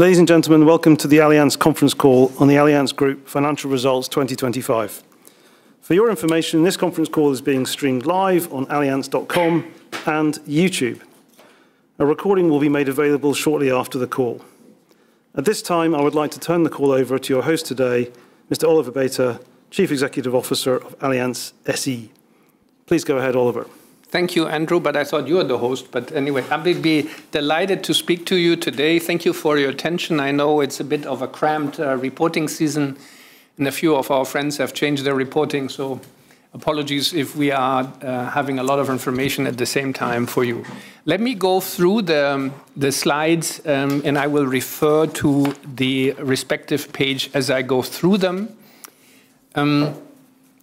Ladies and gentlemen, welcome to the Allianz Conference Call on the Allianz Group Financial Results 2025. For your information, this conference call is being streamed live on allianz.com and YouTube. A recording will be made available shortly after the call. At this time, I would like to turn the call over to your host today, Mr. Oliver Bäte, Chief Executive Officer of Allianz SE. Please go ahead, Oliver. Thank you, Andrew, I thought you were the host. Anyway, I'll be delighted to speak to you today. Thank you for your attention. I know it's a bit of a cramped reporting season, and a few of our friends have changed their reporting, so apologies if we are having a lot of information at the same time for you. Let me go through the slides, and I will refer to the respective page as I go through them.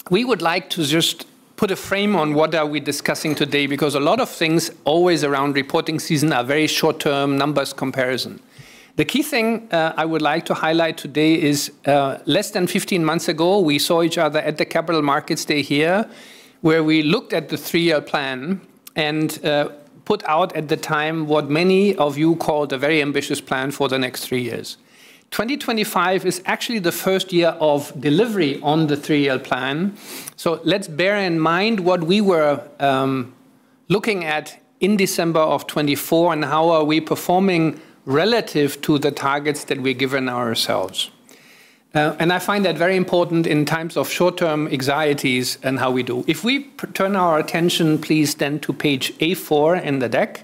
We would like to just put a frame on what are we discussing today, because a lot of things, always around reporting season, are very short-term numbers comparison. The key thing I would like to highlight today is less than 15 months ago, we saw each other at the Capital Markets Day here, where we looked at the three-year plan and put out at the time what many of you called a very ambitious plan for the next three years. 2025 is actually the first year of delivery on the three-year plan. Let's bear in mind what we were looking at in December of 2024, and how are we performing relative to the targets that we've given ourselves. I find that very important in times of short-term anxieties and how we do. If we turn our attention, please, to page A4 in the deck,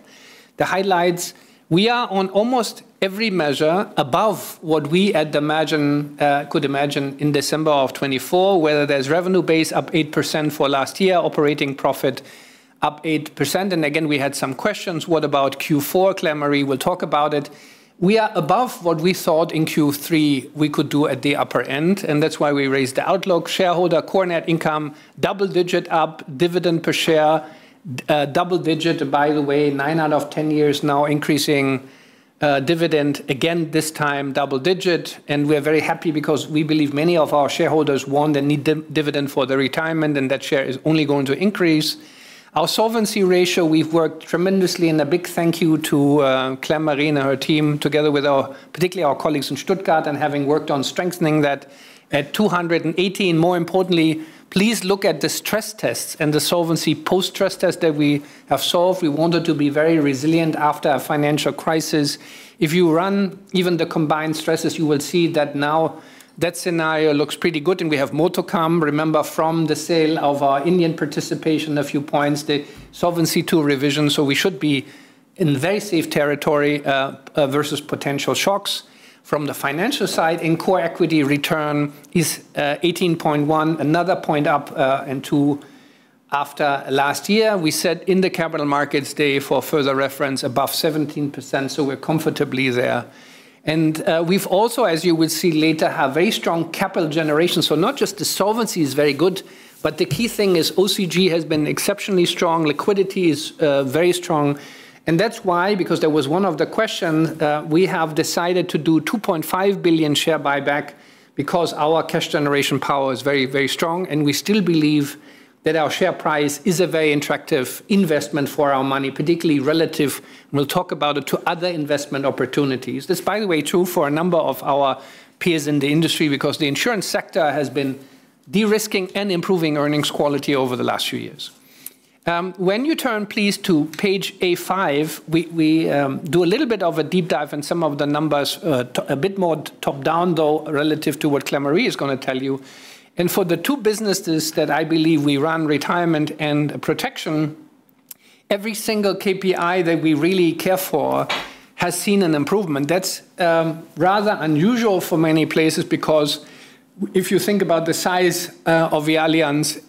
the highlights, we are on almost every measure above what we had imagined, could imagine in December of 2024, whether there's revenue base up 8% for last year, operating profit up 8%. Again, we had some questions. What about Q4? Claire-Marie will talk about it. We are above what we thought in Q3 we could do at the upper end, that's why we raised the outlook shareholder. Core net income, double digit up, dividend per share, double digit. By the way, 9 out of 10 years now, increasing dividend again, this time double digit. We're very happy because we believe many of our shareholders want and need dividend for their retirement, that share is only going to increase. Our solvency ratio, we've worked tremendously, and a big thank you to Claire-Marie and her team, together with our, particularly our colleagues in Stuttgart, and having worked on strengthening that at 218. More importantly, please look at the stress tests and the solvency post-stress test that we have solved. We wanted to be very resilient after a financial crisis. If you run even the combined stresses, you will see that now that scenario looks pretty good, and we have more to come. Remember, from the sale of our Indian participation, a few points, the Solvency II revision, so we should be in very safe territory versus potential shocks. From the financial side, in core equity return is 18.1%, another point up, and 2% after last year. We said in the Capital Markets Day for further reference, above 17%, so we're comfortably there. We've also, as you will see later, have very strong capital generation. Not just the solvency is very good, but the key thing is OCG has been exceptionally strong. Liquidity is very strong, and that's why, because that was one of the questions, we have decided to do 2.5 billion share buyback because our cash generation power is very, very strong, and we still believe that our share price is a very attractive investment for our money, particularly relative, and we'll talk about it, to other investment opportunities. This, by the way, true for a number of our peers in the industry because the insurance sector has been de-risking and improving earnings quality over the last few years. When you turn, please, to page A5, we do a little bit of a deep dive in some of the numbers, a bit more top-down, though, relative to what Claire-Marie is going to tell you. For the two businesses that I believe we run, retirement and protection, every single KPI that we really care for has seen an improvement. That's rather unusual for many places, because if you think about the size of Allianz,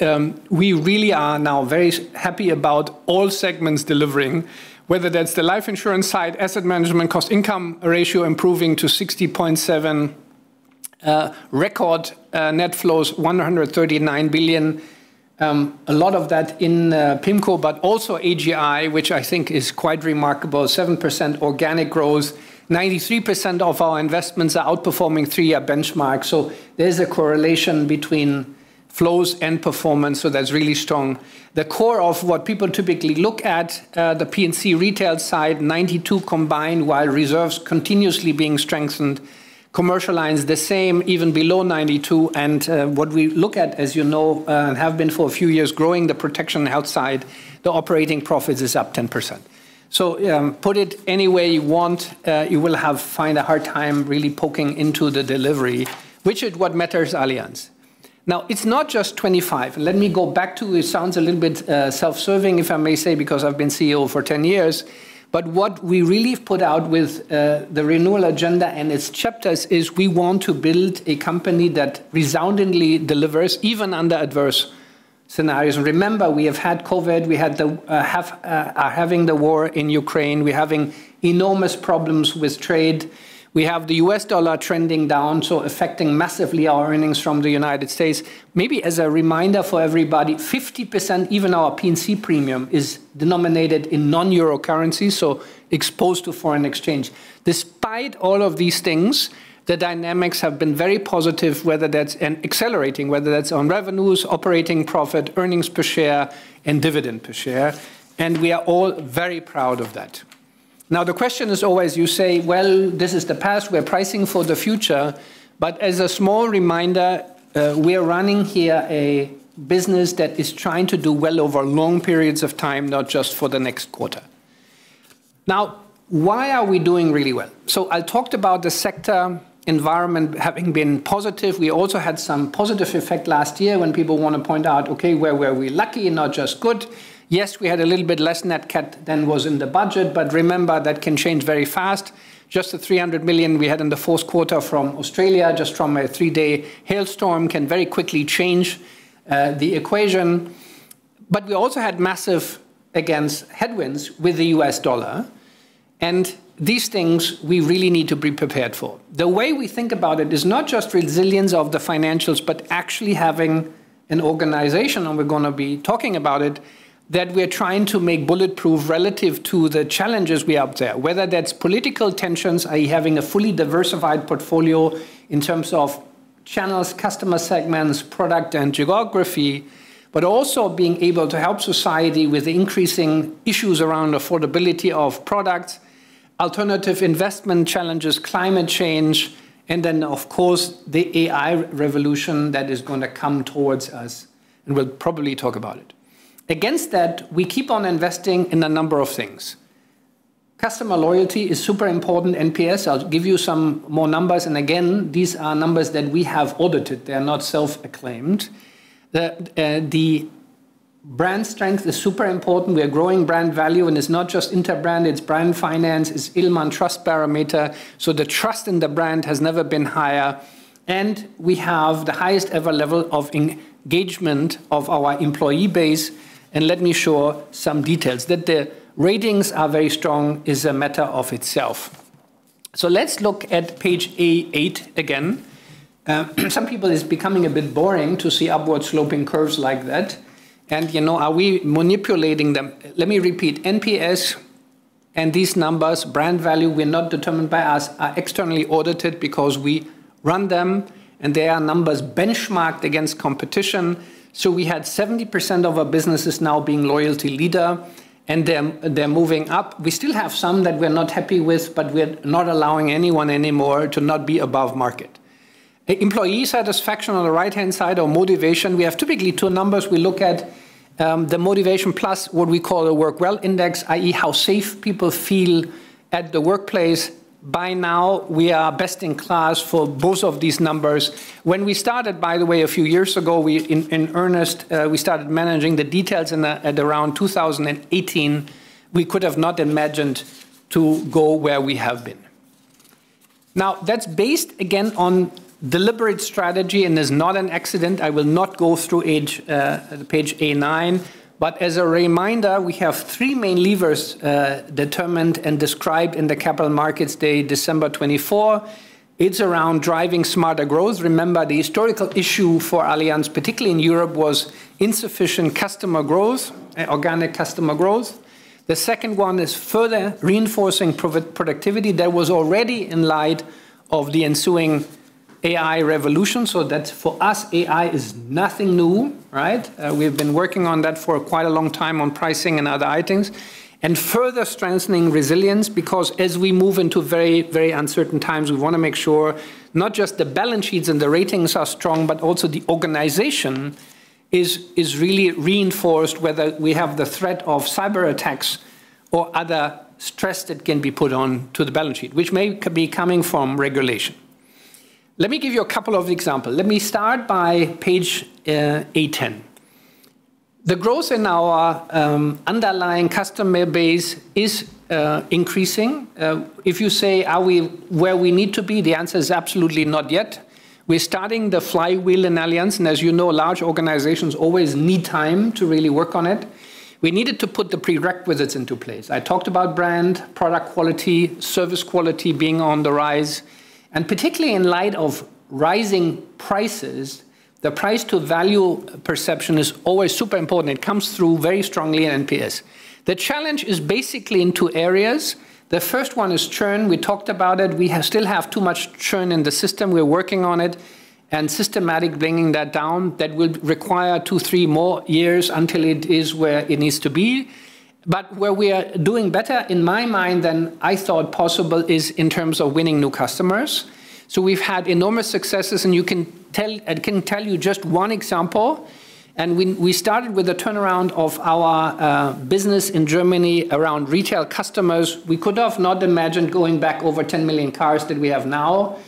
we really are now very happy about all segments delivering, whether that's the life insurance side, asset management, cost-income ratio improving to 60.7, record net flows 139 billion. A lot of that in PIMCO, but also AGI, which I think is quite remarkable, 7% organic growth. 93% of our investments are outperforming 3-year benchmark. There's a correlation between flows and performance. That's really strong. The core of what people typically look at, the P&C retail side, 92 combined, while reserves continuously being strengthened, commercial lines the same, even below 92. What we look at, as you know, have been for a few years, growing the protection outside the operating profits is up 10%. Put it any way you want, you will find a hard time really poking into the delivery, which is what matters Allianz. Now, it's not just 25. Let me go back to... It sounds a little bit self-serving, if I may say, because I've been CEO for 10 years. What we really put out with the Renewal Agenda and its chapters is we want to build a company that resoundingly delivers, even under adverse scenarios. Remember, we have had COVID, we had the war in Ukraine, we're having enormous problems with trade. We have the US dollar trending down, so affecting massively our earnings from the United States. Maybe as a reminder for everybody, 50%, even our P&C premium, is denominated in non-euro currencies, so exposed to foreign exchange. Despite all of these things, the dynamics have been very positive, whether that's in accelerating, whether that's on revenues, operating profit, earnings per share, and dividend per share, and we are all very proud of that. The question is always you say, well, this is the past, we're pricing for the future. As a small reminder, we are running here a business that is trying to do well over long periods of time, not just for the next quarter. Why are we doing really well? I talked about the sector environment having been positive. We also had some positive effect last year when people want to point out, okay, where were we lucky and not just good? Yes, we had a little bit less Nat Cat than was in the budget, remember, that can change very fast. Just the 300 million we had in the fourth quarter from Australia, just from a three-day hailstorm, can very quickly change the equation. We also had massive, against headwinds with the US dollar, and these things we really need to be prepared for. The way we think about it is not just resilience of the financials, but actually having an organization, and we're gonna be talking about it, that we're trying to make bulletproof relative to the challenges we have there. Whether that's political tensions, are you having a fully diversified portfolio in terms of channels, customer segments, product, and geography, but also being able to help society with increasing issues around affordability of products, alternative investment challenges, climate change, and then, of course, the AI revolution that is going to come towards us, and we'll probably talk about it. Against that, we keep on investing in a number of things. Customer loyalty is super important, NPS. I'll give you some more numbers, and again, these are numbers that we have audited. They are not self-acclaimed. The brand strength is super important. We are growing brand value, it's not just Interbrand, it's Brand Finance, it's Edelman Trust Barometer. The trust in the brand has never been higher, we have the highest ever level of engagement of our employee base. Let me show some details. That the ratings are very strong is a matter of itself. Let's look at page A8 again. Some people, it's becoming a bit boring to see upward-sloping curves like that. You know, are we manipulating them? Let me repeat, NPS and these numbers, brand value, were not determined by us, are externally audited because we run them, and they are numbers benchmarked against competition. We had 70% of our businesses now being loyalty leader, and they're moving up. We still have some that we're not happy with, we're not allowing anyone anymore to not be above market. Employee satisfaction on the right-hand side or motivation, we have typically two numbers we look at, the motivation plus what we call a Work Well Index, i.e., how safe people feel at the workplace. By now, we are best in class for both of these numbers. When we started, by the way, a few years ago, we in earnest, we started managing the details at around 2018, we could have not imagined to go where we have been. That's based, again, on deliberate strategy and is not an accident. I will not go through page A9. As a reminder, we have three main levers determined and described in the Capital Markets Day, December 24. It's around driving smarter growth. Remember, the historical issue for Allianz, particularly in Europe, was insufficient customer growth, organic customer growth. The second one is further reinforcing productivity. That was already in light of the ensuing AI revolution. That's for us, AI is nothing new, right? We've been working on that for quite a long time on pricing and other items. Further strengthening resilience, because as we move into very, very uncertain times, we want to make sure not just the balance sheets and the ratings are strong, but also the organization is really reinforced whether we have the threat of cyberattacks or other stress that can be put on to the balance sheet, which may be coming from regulation. Let me give you a couple of example. Let me start by page A 10. The growth in our underlying customer base is increasing. If you say, are we where we need to be? The answer is absolutely not yet. We're starting the flywheel in Allianz, and as you know, large organizations always need time to really work on it. We needed to put the prerequisites into place. I talked about brand, product quality, service quality being on the rise, and particularly in light of rising prices, the price to value perception is always super important. It comes through very strongly in NPS. The challenge is basically in two areas. The first one is churn. We talked about it. We still have too much churn in the system. We're working on it and systematic bringing that down. That would require two, three more years until it is where it needs to be. Where we are doing better in my mind than I thought possible, is in terms of winning new customers. We've had enormous successes. I can tell you just one example. We started with a turnaround of our business in Germany around retail customers. We could have not imagined going back over 10 million cars that we have now.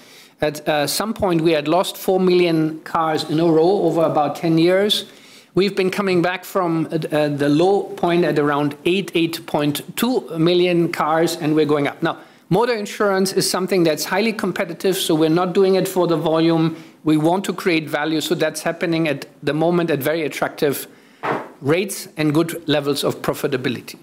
At some point, we had lost 4 million cars in a row over about 10 years. We've been coming back from the low point at around 8.2 million cars. We're going up. Motor insurance is something that's highly competitive. We're not doing it for the volume. We want to create value. That's happening at the moment at very attractive rates and good levels of profitability.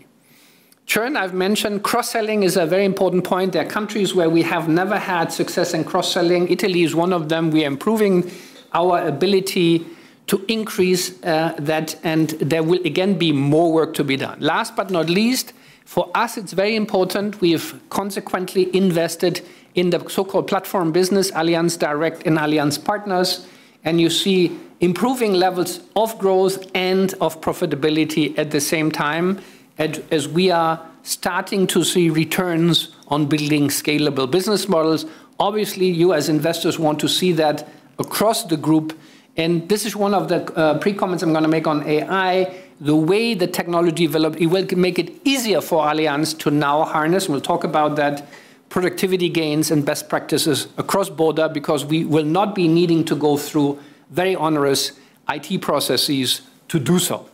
Churn, I've mentioned. Cross-selling is a very important point. There are countries where we have never had success in cross-selling. Italy is one of them. We are improving our ability to increase that, and there will again be more work to be done. Last but not least, for us, it's very important we consequently invested in the so-called platform business, Allianz Direct and Allianz Partners, and you see improving levels of growth and of profitability at the same time. As we are starting to see returns on building scalable business models, obviously, you as investors want to see that across the group, and this is one of the pre-comments I'm going to make on AI. The way the technology develop, it will make it easier for Allianz to now harness, we'll talk about that, productivity gains and best practices across border because we will not be needing to go through very onerous IT processes to do so.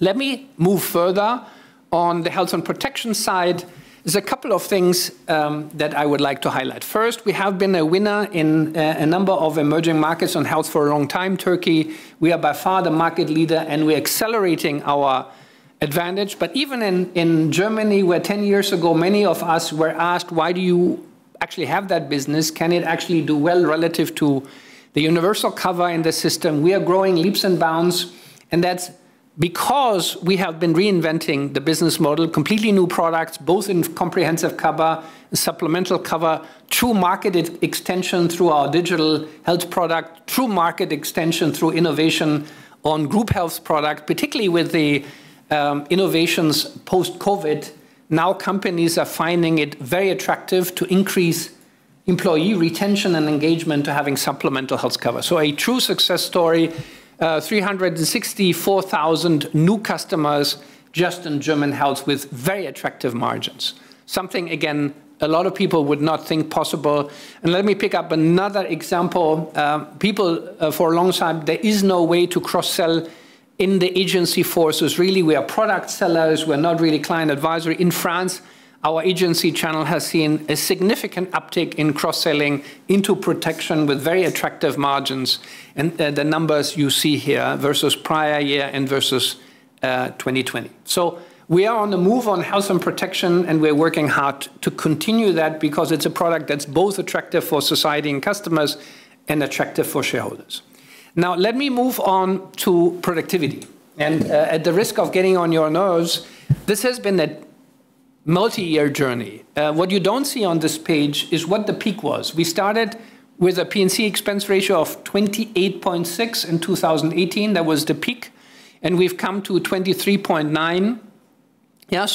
Let me move further on the health and protection side. There's a couple of things that I would like to highlight. First, we have been a winner in a number of emerging markets on health for a long time. Turkey, we are by far the market leader, and we're accelerating our advantage. Even in Germany, where 10 years ago many of us were asked: why do you actually have that business? Can it actually do well relative to the universal cover in the system? We are growing leaps and bounds, and that's because we have been reinventing the business model, completely new products, both in comprehensive cover and supplemental cover, true market extension through our digital health product, true market extension through innovation on group health product, particularly with the innovations post-COVID. Companies are finding it very attractive to increase employee retention and engagement to having supplemental health cover. A true success story, 364,000 new customers just in German health, with very attractive margins. Something, again, a lot of people would not think possible. Let me pick up another example. People, for a long time, there is no way to cross-sell in the agency force, so really, we are product sellers. We're not really client advisory. In France, our agency channel has seen a significant uptick in cross-selling into protection with very attractive margins, and the numbers you see here versus prior year and versus 2020. We are on the move on health and protection, and we're working hard to continue that because it's a product that's both attractive for society and customers and attractive for shareholders. Now, let me move on to productivity. At the risk of getting on your nerves, this has been a multi-year journey. What you don't see on this page is what the peak was. We started with a P&C expense ratio of 28.6 in 2018. That was the peak, we've come to 23.9.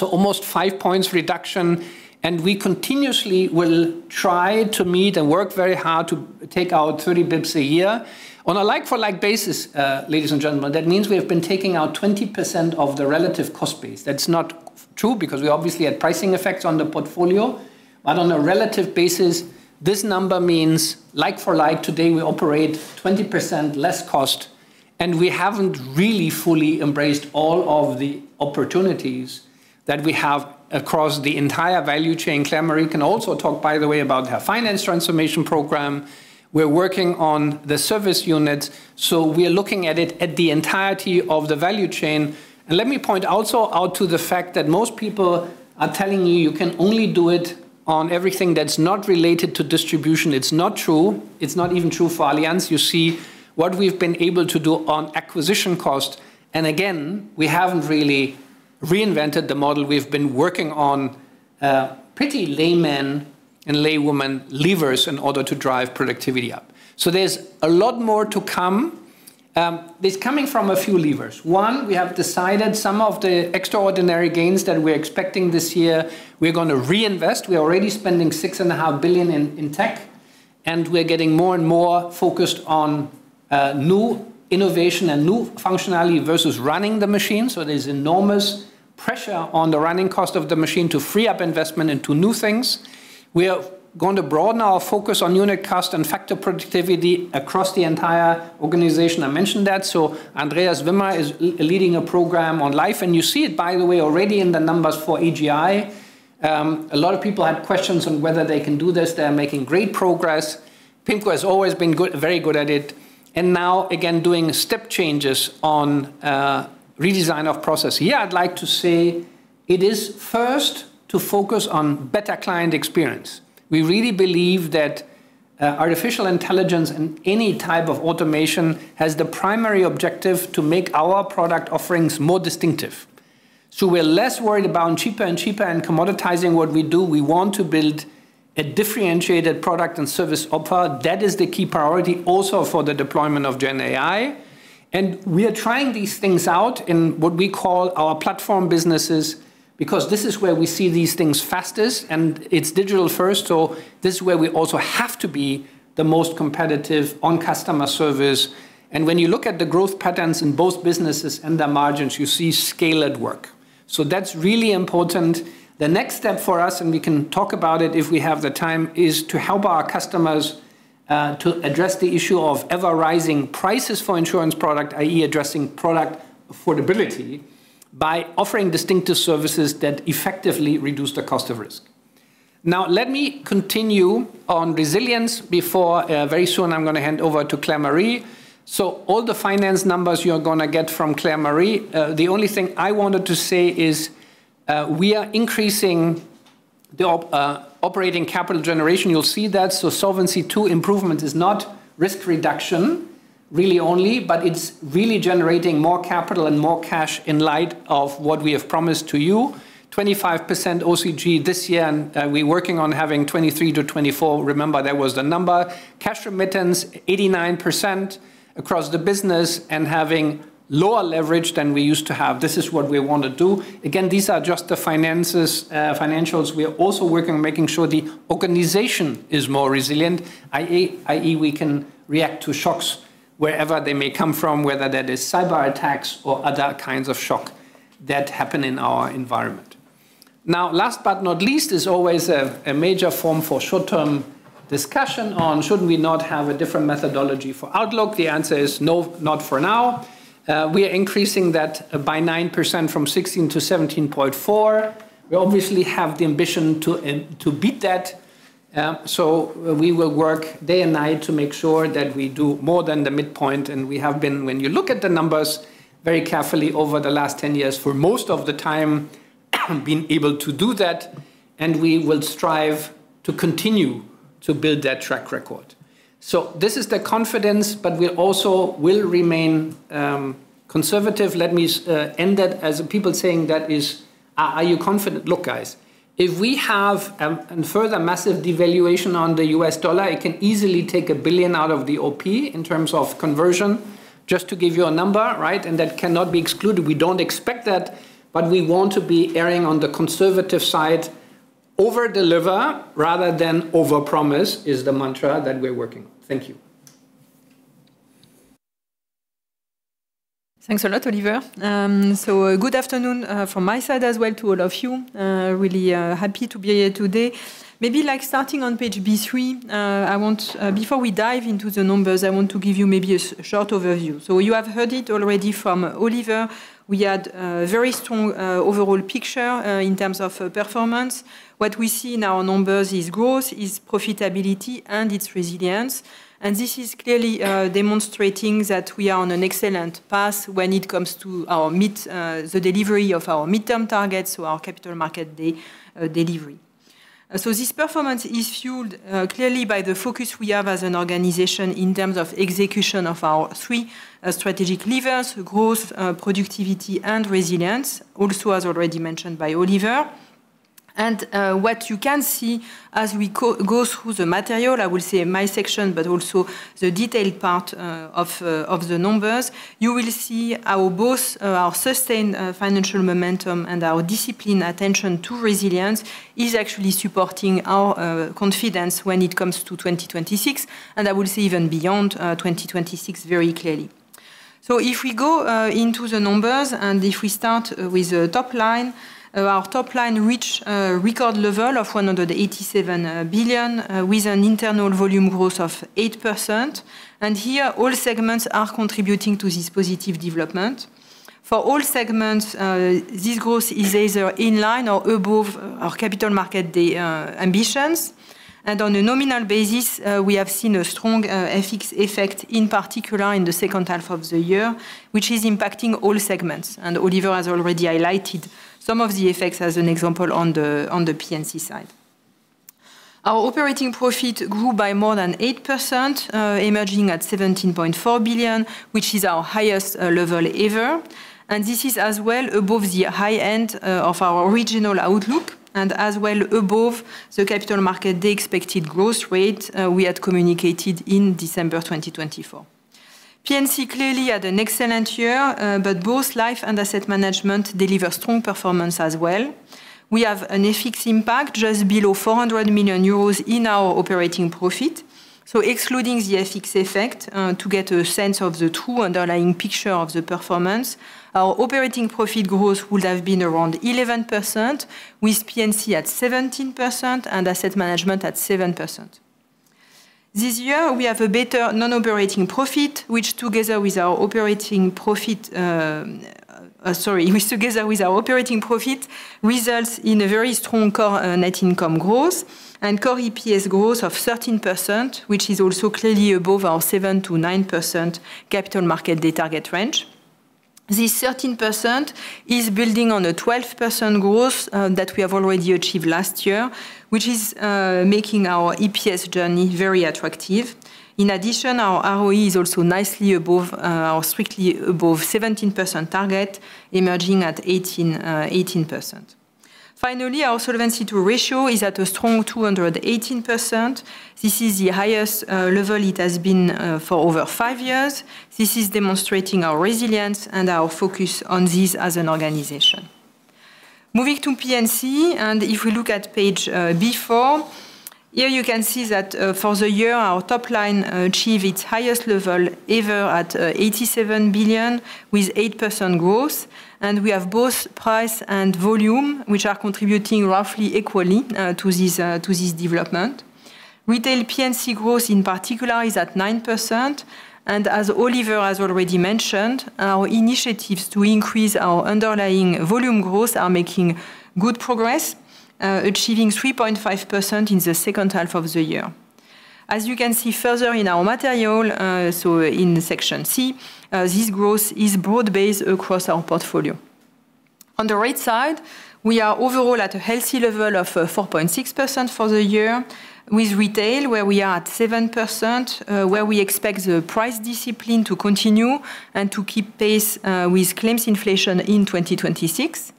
Almost five points reduction, and we continuously will try to meet and work very hard to take out 30 basis points a year. On a like-for-like basis, ladies and gentlemen, that means we have been taking out 20% of the relative cost base. That's not true because we obviously had pricing effects on the portfolio, but on a relative basis, this number means like for like, today, we operate 20% less cost, and we haven't really fully embraced all of the opportunities that we have across the entire value chain. Claire-Marie Coste-Lepoutre can also talk, by the way, about her finance transformation program. We're working on the service unit, we are looking at it at the entirety of the value chain. Let me point also out to the fact that most people are telling you can only do it on everything that's not related to distribution. It's not true. It's not even true for Allianz. You see what we've been able to do on acquisition cost, again, we haven't really reinvented the model. We've been working on pretty layman and laywoman levers in order to drive productivity up. There's a lot more to come. It's coming from a few levers. One, we have decided some of the extraordinary gains that we're expecting this year, we're going to reinvest. We are already spending 6.5 billion in tech, and we're getting more and more focused on new innovation and new functionality versus running the machine. There's enormous pressure on the running cost of the machine to free up investment into new things. We are going to broaden our focus on unit cost and factor productivity across the entire organization. I mentioned that. Andreas Wimmer is leading a program on life, and you see it, by the way, already in the numbers for AGI. A lot of people had questions on whether they can do this. They're making great progress. PIMCO has always been very good at it, and now again, doing step changes on redesign of process. Here, I'd like to say it is first to focus on better client experience. We really believe that artificial intelligence and any type of automation has the primary objective to make our product offerings more distinctive. We're less worried about cheaper and cheaper and commoditizing what we do. We want to build a differentiated product and service offer. That is the key priority also for the deployment of Gen AI. We are trying these things out in what we call our platform businesses, because this is where we see these things fastest, and it's digital first, so this is where we also have to be the most competitive on customer service. When you look at the growth patterns in both businesses and their margins, you see scale at work. That's really important. The next step for us, and we can talk about it if we have the time, is to help our customers, to address the issue of ever-rising prices for insurance product, i.e., addressing product affordability, by offering distinctive services that effectively reduce the cost of risk. Now, let me continue on resilience before, very soon I'm going to hand over to Claire-Marie Coste-Lepoutre. All the finance numbers you are going to get from Claire-Marie Coste-Lepoutre. The only thing I wanted to say is, we are increasing the operating capital generation. You'll see that. Solvency II improvement is not risk reduction really only, but it's really generating more capital and more cash in light of what we have promised to you. 25% OCG this year, we're working on having 23%-24%. Remember, that was the number. Cash remittance, 89% across the business and having lower leverage than we used to have. This is what we want to do. Again, these are just the financials. We are also working on making sure the organization is more resilient, i.e., we can react to shocks wherever they may come from, whether that is cyberattacks or other kinds of shock that happen in our environment. Last but not least, is always a major form for short-term discussion on: should we not have a different methodology for outlook? The answer is no, not for now. We are increasing that by 9%, from 16 - 17.4. We obviously have the ambition to beat that. We will work day and night to make sure that we do more than the midpoint, and we have been. When you look at the numbers very carefully over the last 10 years, for most of the time, we've been able to do that, we will strive to continue to build that track record. This is the confidence, we also will remain conservative. Let me end that, as people saying, that is, "Are you confident?" Look, guys, if we have a further massive devaluation on the US dollar, it can easily take 1 billion out of the OP in terms of conversion, just to give you a number, right? That cannot be excluded. We don't expect that, we want to be erring on the conservative side. Over-deliver rather than overpromise is the mantra that we're working. Thank you. Thanks a lot, Oliver. Good afternoon from my side as well to all of you. Really happy to be here today. Maybe, like, starting on page B3, I want Before we dive into the numbers, I want to give you maybe a short overview. You have heard it already from Oliver. We had a very strong overall picture in terms of performance. What we see in our numbers is growth, is profitability, and it's resilience. This is clearly demonstrating that we are on an excellent path when it comes to our mid, the delivery of our midterm targets, so our Capital Markets Day delivery. This performance is fueled, clearly by the focus we have as an organization in terms of execution of our three strategic levers: growth, productivity, and resilience. As already mentioned by Oliver, and what you can see as we go through the material, I will say in my section, but also the detailed part of the numbers, you will see how both our sustained financial momentum and our disciplined attention to resilience is actually supporting our confidence when it comes to 2026, and I will say even beyond 2026 very clearly. If we go into the numbers, and if we start with the top line, our top line reached a record level of 187 billion, with an internal volume growth of 8%. Here, all segments are contributing to this positive development. For all segments, this growth is either in line or above our capital market ambitions. On a nominal basis, we have seen a strong effect, in particular in the second half of the year, which is impacting all segments. Oliver has already highlighted some of the effects as an example on the P&C side. Our operating profit grew by more than 8%, emerging at 17.4 billion, which is our highest level ever. This is as well above the high end of our original outlook, and as well above the capital market expected growth rate we had communicated in December 2024. P&C clearly had an excellent year, but both Life and Asset Management deliver strong performance as well. We have an effects impact just below 400 million euros in our operating profit. Excluding the effects effect, to get a sense of the true underlying picture of the performance, our operating profit growth would have been around 11%, with P&C at 17% and Asset Management at 7%. This year, we have a better non-operating profit, which together with our operating profit, results in a very strong core net income growth and core EPS growth of 13%, which is also clearly above our 7%-9% capital market target range. This 13% is building on a 12% growth that we have already achieved last year, which is making our EPS journey very attractive. In addition, our ROE is also nicely above, or strictly above 17% target, emerging at 18%. Finally, our Solvency II ratio is at a strong 218%. This is the highest level it has been for over five years. This is demonstrating our resilience and our focus on this as an organization. Moving to P&C, if we look at page B4, here you can see that for the year, our top line achieved its highest level ever at 87 billion, with 8% growth. We have both price and volume, which are contributing roughly equally to this development. Retail P&C growth in particular is at 9%, as Oliver has already mentioned, our initiatives to increase our underlying volume growth are making good progress, achieving 3.5% in the second half of the year. As you can see further in our material, so in section C, this growth is broad-based across our portfolio. On the right side, we are overall at a healthy level of 4.6% for the year, with retail where we are at 7%, where we expect the price discipline to continue and to keep pace with claims inflation in 2026.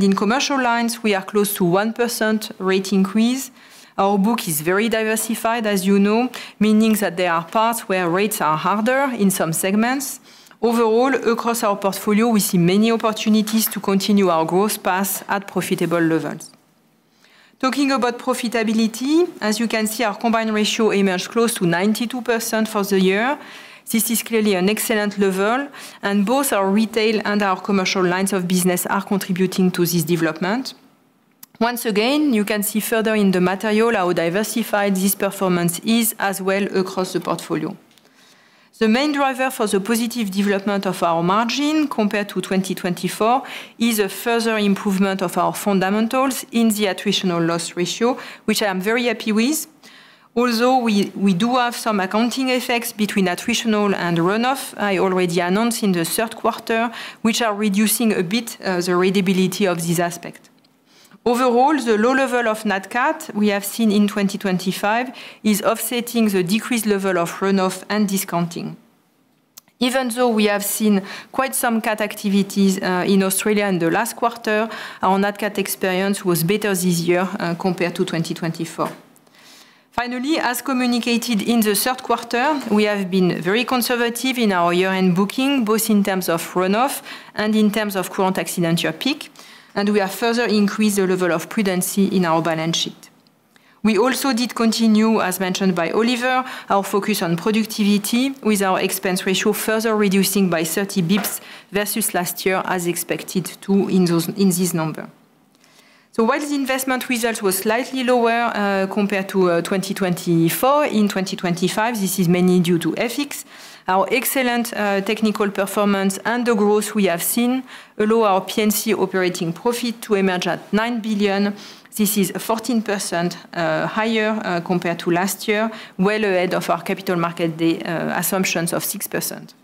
In commercial lines, we are close to 1% rate increase. Our book is very diversified, as you know, meaning that there are parts where rates are harder in some segments. Overall, across our portfolio, we see many opportunities to continue our growth path at profitable levels. Talking about profitability, as you can see, our combined ratio emerged close to 92% for the year. This is clearly an excellent level, and both our retail and our commercial lines of business are contributing to this development. Once again, you can see further in the material how diversified this performance is as well across the portfolio. The main driver for the positive development of our margin compared to 2024 is a further improvement of our fundamentals in the attritional loss ratio, which I am very happy with. Although we do have some accounting effects between attritional and runoff, I already announced in the third quarter, which are reducing a bit the readability of this aspect. Overall, the low level of Nat Cat we have seen in 2025 is offsetting the decreased level of runoff and discounting. Even though we have seen quite some cat activities, in Australia in the last quarter, our Nat Cat experience was better this year, compared to 2024. Finally, as communicated in the third quarter, we have been very conservative in our year-end booking, both in terms of runoff and in terms of current accidental peak, and we have further increased the level of prudency in our balance sheet. We also did continue, as mentioned by Oliver, our focus on productivity, with our expense ratio further reducing by 30 basis points versus last year, as expected to in this number. While the investment results were slightly lower, compared to 2024, in 2025, this is mainly due to FX. Our excellent technical performance and the growth we have seen allow our P&C operating profit to emerge at 9 billion. This is 14% higher compared to last year, well ahead of our capital market assumptions of 6%.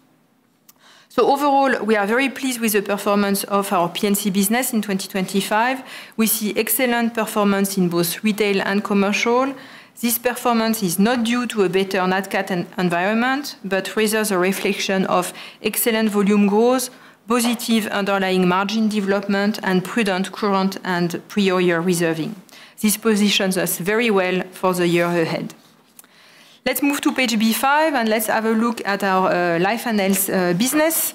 Overall, we are very pleased with the performance of our P&C business in 2025. We see excellent performance in both retail and commercial. This performance is not due to a better Nat Cat environment, but rather is a reflection of excellent volume growth, positive underlying margin development, and prudent current and prior year reserving. This positions us very well for the year ahead. Let's move to page B5. Let's have a look at our life and health business.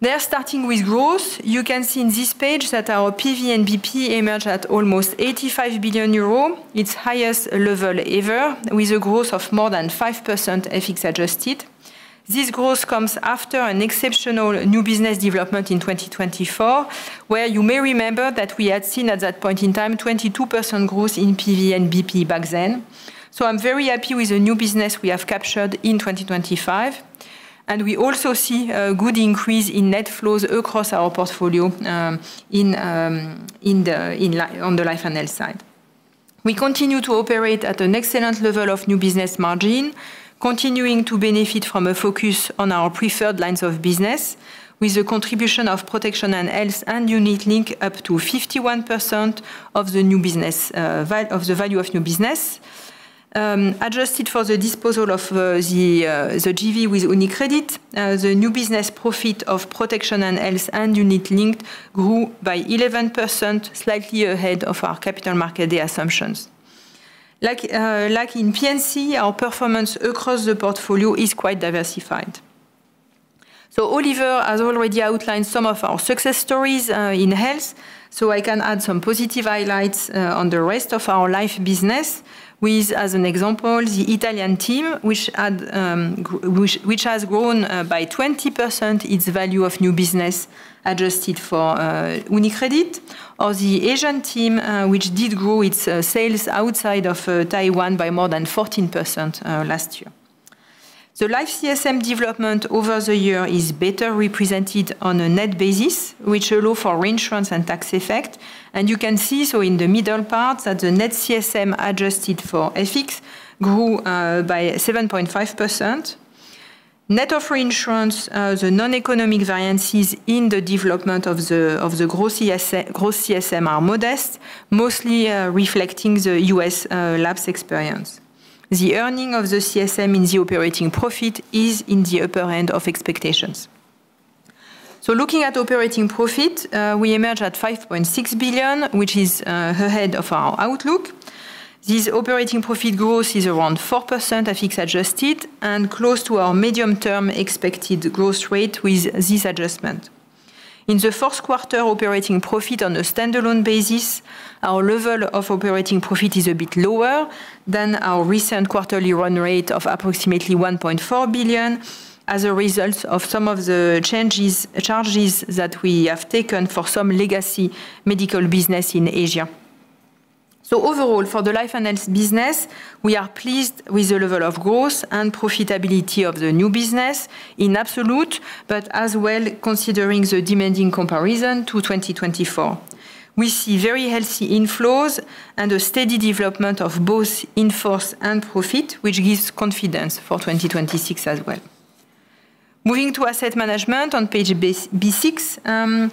There, starting with growth, you can see in this page that our PVNBP emerged at almost 85 billion euro, its highest level ever, with a growth of more than 5% FX adjusted. This growth comes after an exceptional new business development in 2024, where you may remember that we had seen at that point in time, 22% growth in PVNBP back then. I'm very happy with the new business we have captured in 2025, and we also see a good increase in net flows across our portfolio, on the life and health side. We continue to operate at an excellent level of new business margin, continuing to benefit from a focus on our preferred lines of business, with the contribution of protection and health and unit linked up to 51% of the new business, of the value of new business. Adjusted for the disposal of the GV with UniCredit, the new business profit of protection and health and unit linked grew by 11%, slightly ahead of our capital market assumptions. Like in P&C, our performance across the portfolio is quite diversified. Oliver has already outlined some of our success stories in health, I can add some positive highlights on the rest of our life business with, as an example, the Italian team, which has grown by 20%, its value of new business, adjusted for UniCredit. The Asian team, which did grow its sales outside of Taiwan by more than 14% last year. The life CSM development over the year is better represented on a net basis, which allow for reinsurance and tax effect. You can see, in the middle part, that the net CSM adjusted for FX grew by 7.5%. Net of reinsurance, the non-economic variances in the development of the gross CSM are modest, mostly reflecting the US lapse experience. The earning of the CSM in the operating profit is in the upper end of expectations. Looking at operating profit, we emerge at 5.6 billion, which is ahead of our outlook. This operating profit growth is around 4% FX adjusted and close to our medium-term expected growth rate with this adjustment. In the first quarter, operating profit on a standalone basis, our level of operating profit is a bit lower than our recent quarterly run rate of approximately 1.4 billion as a result of some of the changes, charges that we have taken for some legacy medical business in Asia. Overall, for the life and health business, we are pleased with the level of growth and profitability of the new business in absolute, but as well, considering the demanding comparison to 2024. We see very healthy inflows and a steady development of both in force and profit, which gives confidence for 2026 as well. Moving to asset management on page b-6, yes,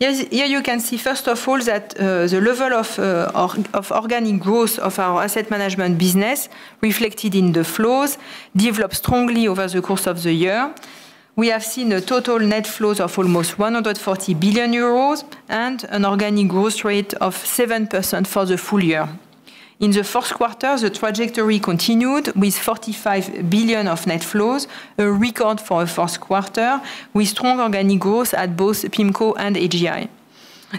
here you can see, first of all, that the level of organic growth of our asset management business, reflected in the flows, developed strongly over the course of the year. We have seen a total net flows of almost 140 billion euros, and an organic growth rate of 7% for the full-year. In the fourth quarter, the trajectory continued with 45 billion of net flows, a record for a fourth quarter, with strong organic growth at both PIMCO and AGI.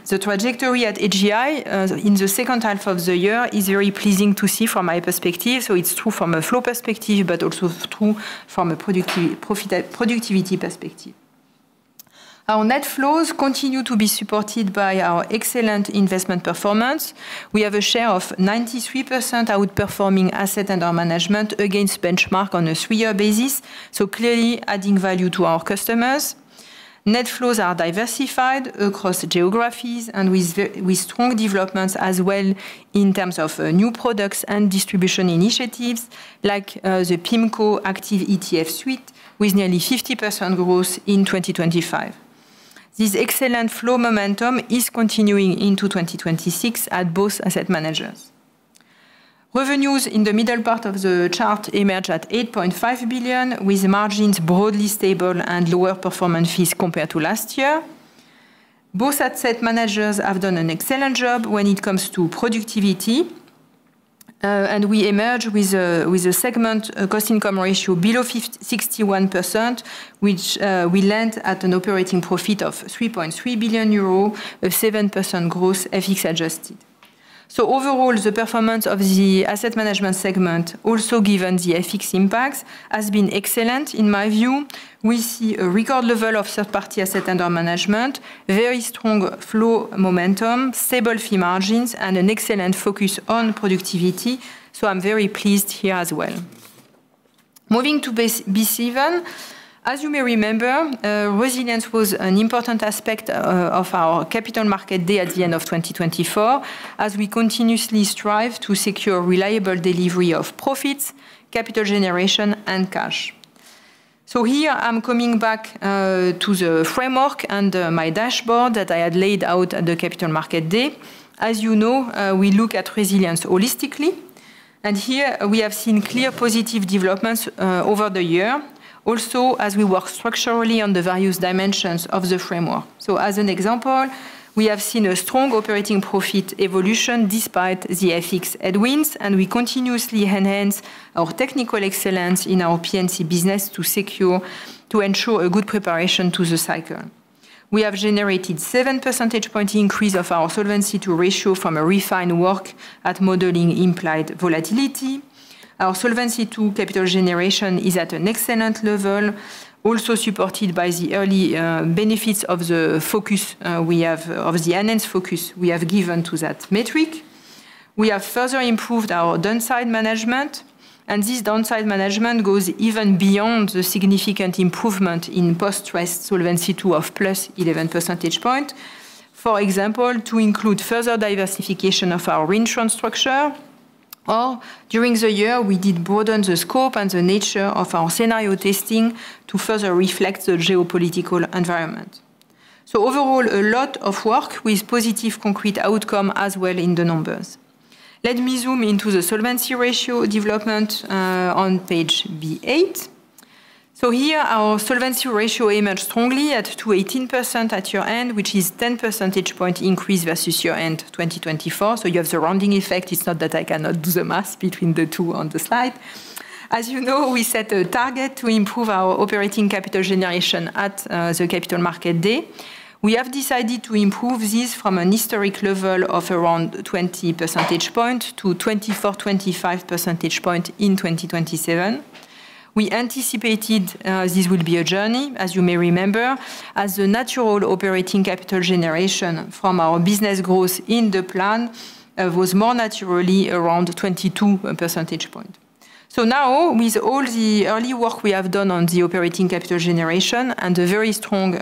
The trajectory at AGI in the second half of the year is very pleasing to see from my perspective. It's true from a flow perspective, but also true from a productivity perspective. Our net flows continue to be supported by our excellent investment performance. We have a share of 93% outperforming asset under management against benchmark on a three-year basis, so clearly adding value to our customers. Net flows are diversified across geographies and with strong developments as well in terms of new products and distribution initiatives, like the PIMCO Active ETF suite, with nearly 50% growth in 2025. This excellent flow momentum is continuing into 2026 at both asset managers. Revenues in the middle part of the chart emerge at 8.5 billion, with margins broadly stable and lower performance fees compared to last year. Both asset managers have done an excellent job when it comes to productivity, and we emerge with a segment cost-income ratio below 61%, which we land at an operating profit of 3.3 billion euro, a 7% growth, FX adjusted. Overall, the performance of the asset management segment, also given the FX impacts, has been excellent in my view. We see a record level of third-party asset under management, very strong flow momentum, stable fee margins, and an excellent focus on productivity, I'm very pleased here as well. Moving to b-7, as you may remember, resilience was an important aspect of our Capital Market Day at the end of 2024, as we continuously strive to secure reliable delivery of profits, capital generation, and cash. Here I'm coming back to the framework and my dashboard that I had laid out at the Capital Market Day. As you know, we look at resilience holistically, and here we have seen clear positive developments over the year. Also, as we work structurally on the various dimensions of the framework. As an example, we have seen a strong operating profit evolution despite the FX headwinds, and we continuously enhance our technical excellence in our P&C business to ensure a good preparation to the cycle. We have generated 7 percentage point increase of our Solvency II ratio from a refined work at modeling implied volatility. Our Solvency II capital generation is at an excellent level, also supported by the early benefits of the enhanced focus we have given to that metric. We have further improved our downside management, and this downside management goes even beyond the significant improvement in post-stress Solvency II, of +11 percentage point. For example, to include further diversification of our reinsurance structure, or during the year, we did broaden the scope and the nature of our scenario testing to further reflect the geopolitical environment. Overall, a lot of work with positive concrete outcome as well in the numbers. Let me zoom into the Solvency II ratio development on page B8. Here, our solvency ratio emerged strongly at 218% at year-end, which is 10 percentage point increase versus year-end 2024. You have the rounding effect. It's not that I cannot do the math between the two on the slide. As you know, we set a target to improve our operating capital generation at the Capital Market Day. We have decided to improve this from an historic level of around 20 percentage point to 24-25 percentage point in 2027. We anticipated this would be a journey, as you may remember, as the natural operating capital generation from our business growth in the plan was more naturally around 22 percentage point. Now, with all the early work we have done on the operating capital generation and the very strong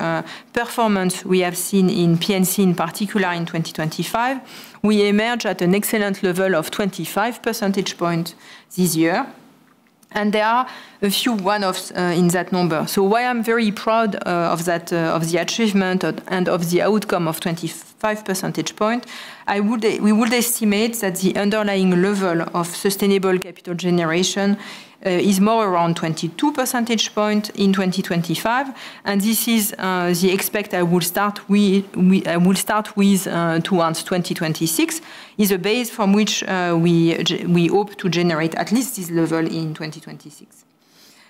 performance we have seen in P&C, in particular in 2025, we emerge at an excellent level of 25 percentage point this year, and there are a few one-offs in that number. While I'm very proud of that, of the achievement and of the outcome of 25 percentage point, we would estimate that the underlying level of sustainable capital generation is more around 22 percentage point in 2025, this is the expect I will start with towards 2026, is a base from which we hope to generate at least this level in 2026.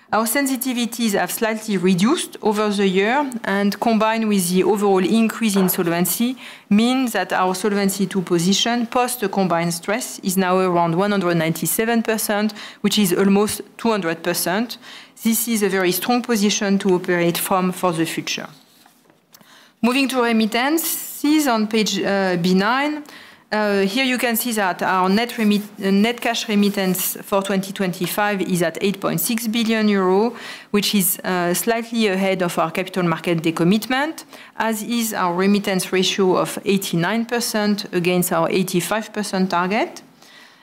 Our sensitivities have slightly reduced over the year, and combined with the overall increase in solvency, means that our solvency to position post a combined stress is now around 197%, which is almost 200%. This is a very strong position to operate from for the future. Moving to remittances on page b-9. Here you can see that our net cash remittance for 2025 is at 8.6 billion euro, which is slightly ahead of our capital market decommitment. as is our remittance ratio of 89% against our 85% target.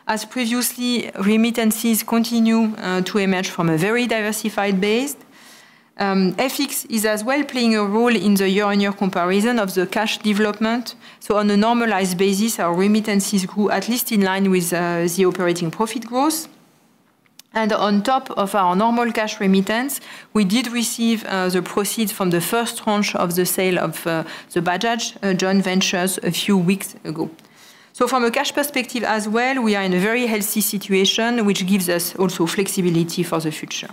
As previously, remittances continue to emerge from a very diversified base. FX is as well playing a role in the year-on-year comparison of the cash development. On a normalized basis, our remittances grew at least in line with the operating profit growth. On top of our normal cash remittance, we did receive the proceeds from the first tranche of the sale of the Bajaj joint ventures a few weeks ago. From a cash perspective as well, we are in a very healthy situation, which gives us also flexibility for the future.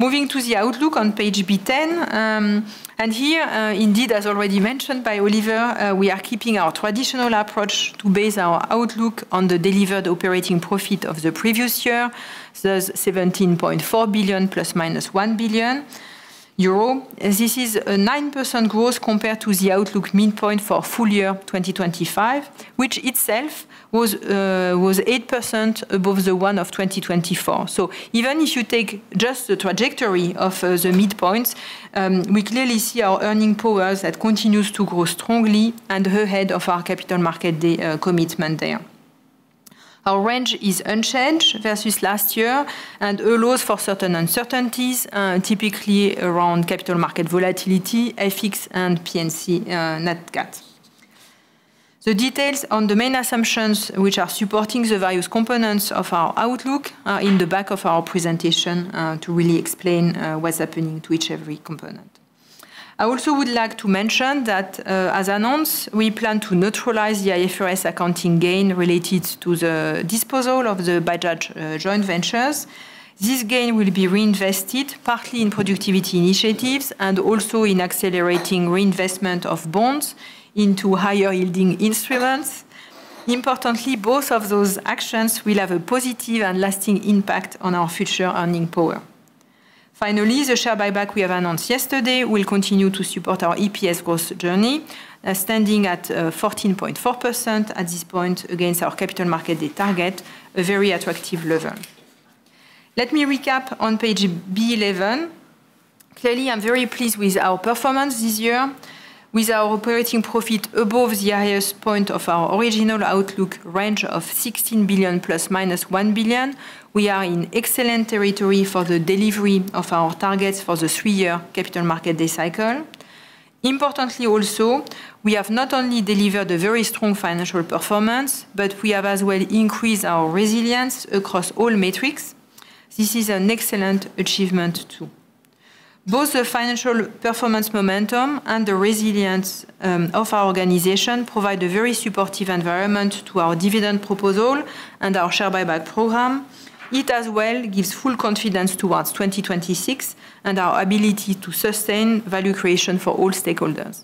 Moving to the outlook on page b-10. Here, indeed, as already mentioned by Oliver, we are keeping our traditional approach to base our outlook on the delivered operating profit of the previous year. That's 17.4 billion ± 1 billion euro. This is a 9% growth compared to the outlook midpoint for full-year 2025, which itself was 8% above the one of 2024. Even if you take just the trajectory of the midpoints, we clearly see our earning powers that continues to grow strongly and ahead of our Capital Markets Day commitment there. Our range is unchanged versus last year and allows for certain uncertainties, typically around capital market volatility, FX and P&C Nat Cat. The details on the main assumptions, which are supporting the various components of our outlook, are in the back of our presentation to really explain what's happening to each every component. I also would like to mention that, as announced, we plan to neutralize the IFRS accounting gain related to the disposal of the Bajaj joint ventures. This gain will be reinvested, partly in productivity initiatives and also in accelerating reinvestment of bonds into higher-yielding instruments. Importantly, both of those actions will have a positive and lasting impact on our future earning power. Finally, the share buyback we have announced yesterday will continue to support our EPS growth journey, standing at 14.4% at this point against our Capital Markets Day target, a very attractive level. Let me recap on page b-11. Clearly, I'm very pleased with our performance this year. With our operating profit above the highest point of our original outlook range of 16 billion ± 1 billion, we are in excellent territory for the delivery of our targets for the three-year Capital Markets Day cycle. Importantly, also, we have not only delivered a very strong financial performance, but we have as well increased our resilience across all metrics. This is an excellent achievement, too. Both the financial performance momentum and the resilience of our organization provide a very supportive environment to our dividend proposal and our share buyback program. It as well gives full confidence towards 2026 and our ability to sustain value creation for all stakeholders.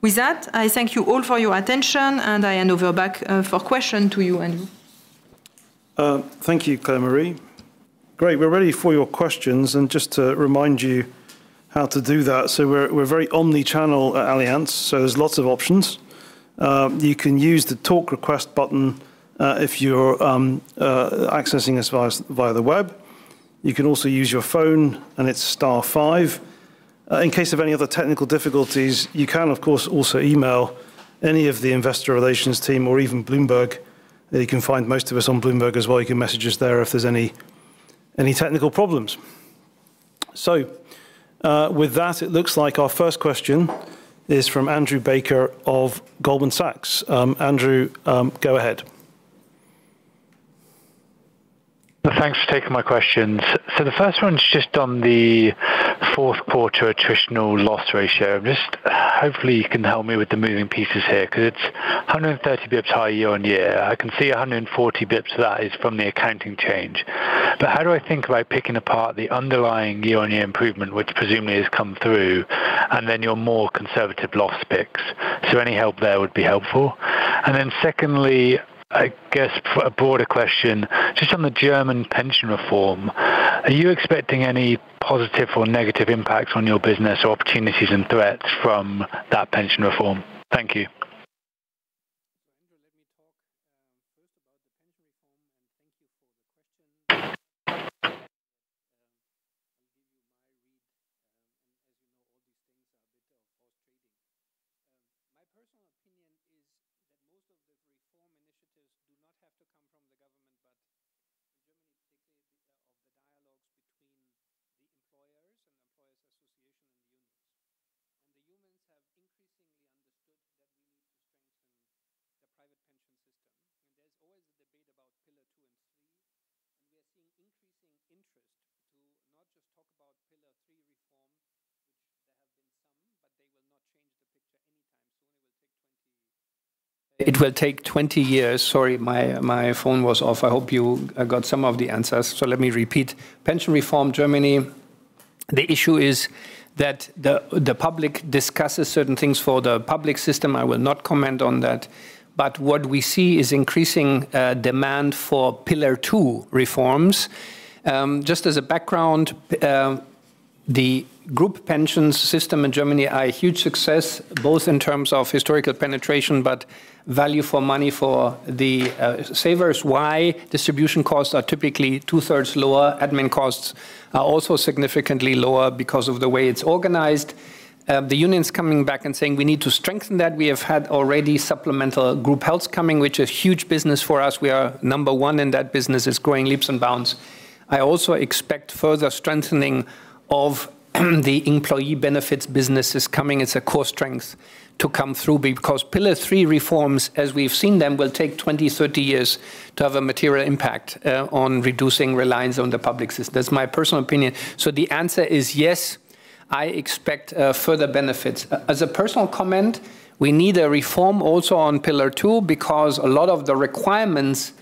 With that, I thank you all for your attention, and I hand over back for question to you, Andrew. Thank you, Claire-Marie Coste-Lepoutre. Great, we're ready for your questions. Just to remind you how to do that. We're very omni-channel at Allianz. There's lots of options. You can use the talk request button if you're accessing us via the web. You can also use your phone. It's star five. In case of any other technical difficulties, you can, of course, also email any of the investor relations team or even Bloomberg. You can find most of us on Bloomberg as well. You can message us there if there's any technical problems. With that, it looks like our first question is from Andrew Baker of Goldman Sachs. Andrew, go ahead. Thanks for taking my questions. The first one is just on the fourth quarter attritional loss ratio. Just hopefully you can help me with the moving pieces here, because it's 130 basis points high year-over-year. I can see 140 basis points, that is from the accounting change. How do I think about picking apart the underlying year-over-year improvement, which presumably has come through, and then your more conservative loss picks? Any help there would be helpful. Secondly, I guess, for a broader question, just on the German Pension Reform, are you expecting any positive or negative impacts on your business or opportunities and threats from that Pension Reform? Thank you. but what we see is increasing demand for Pillar 2 reforms. Just as a background, the group pension system in Germany are a huge success, both in terms of historical penetration, but value for money for the savers. Why? Distribution costs are typically two-thirds lower. Admin costs are also significantly lower because of the way it's organized. The union's coming back and saying, "We need to strengthen that." We have had already supplemental group health coming, which is huge business for us. We are number one, that business is growing leaps and bounds. I also expect further strengthening of the employee benefits businesses coming as a core strength to come through, because Pillar 3 reforms, as we've seen them, will take 20, 30 years to have a material impact on reducing reliance on the public system. That's my personal opinion. The answer is yes, I expect further benefits. As a personal comment, we need a reform also on Pillar 2, because a lot of the requirements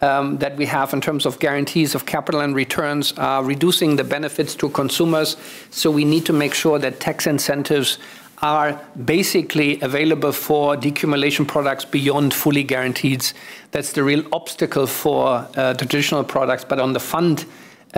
that we have in terms of guarantees of capital and returns are reducing the benefits to consumers. We need to make sure that tax incentives are basically available for decumulation products beyond fully guaranteed. That's the real obstacle for traditional products, but on the fund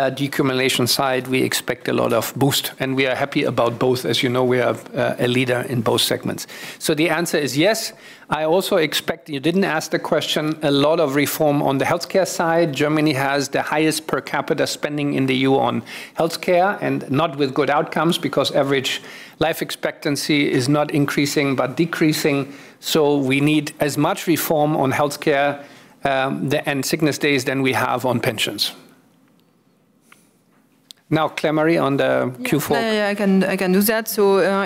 decumulation side, we expect a lot of boost, and we are happy about both. As you know, we have a leader in both segments. The answer is yes. I also expect, you didn't ask the question, a lot of reform on the healthcare side. Germany has the highest per capita spending in the U on healthcare, and not with good outcomes, because average life expectancy is not increasing but decreasing. We need as much reform on healthcare, and sickness days than we have on pensions. Claire-Marie, on the Q4. I can do that.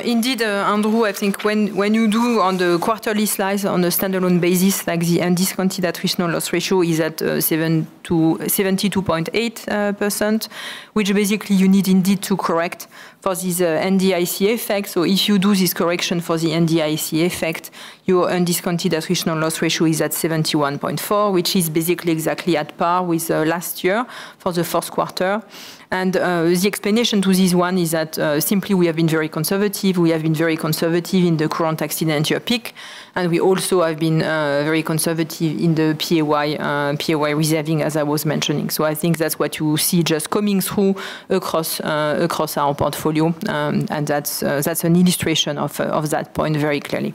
Indeed, Andrew, I think when you do on the quarterly slides on a standalone basis, the additional loss ratio is at 72.8%, which basically you need indeed to correct for these NDIC effects. If you do this correction for the NDIC effect, your undiscounted additional loss ratio is at 71.4, which is basically exactly at par with last year for the first quarter. The explanation to this one is that simply we have been very conservative. We have been very conservative in the current accident year peak, and we also have been very conservative in the prior year reserving, as I was mentioning. I think that's what you see just coming through across our portfolio. That's an illustration of that point very clearly.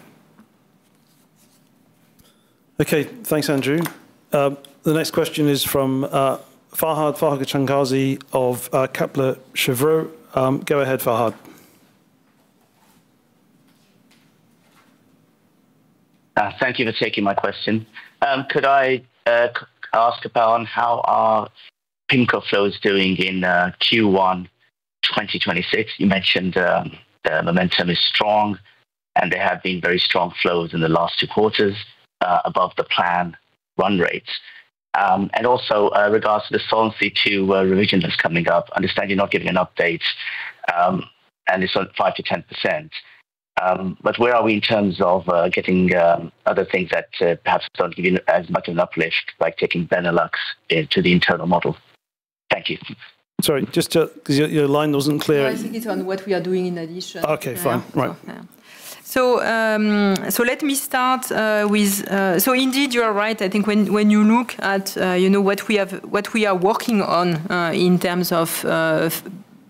Okay. Thanks, Andrew. The next question is from Fahad Changazi of Kepler Cheuvreux. Go ahead, Fahad. Thank you for taking my question. Could I ask about on how are PIMCO flows doing in Q1 2026? You mentioned the momentum is strong, and they have been very strong flows in the last two quarters above the plan run rates. Also, regards to the Solvency II revision that's coming up. I understand you're not giving an update, and it's on 5%-10%. Where are we in terms of getting other things that perhaps don't give you as much an uplift by taking Benelux into the internal model? Thank you. Sorry, just to... 'Cause your line wasn't clear. No, I think it's on what we are doing in addition. Okay, fine. Right. Yeah. Let me start with. Indeed, you are right. I think when you look at, you know, what we are working on, in terms of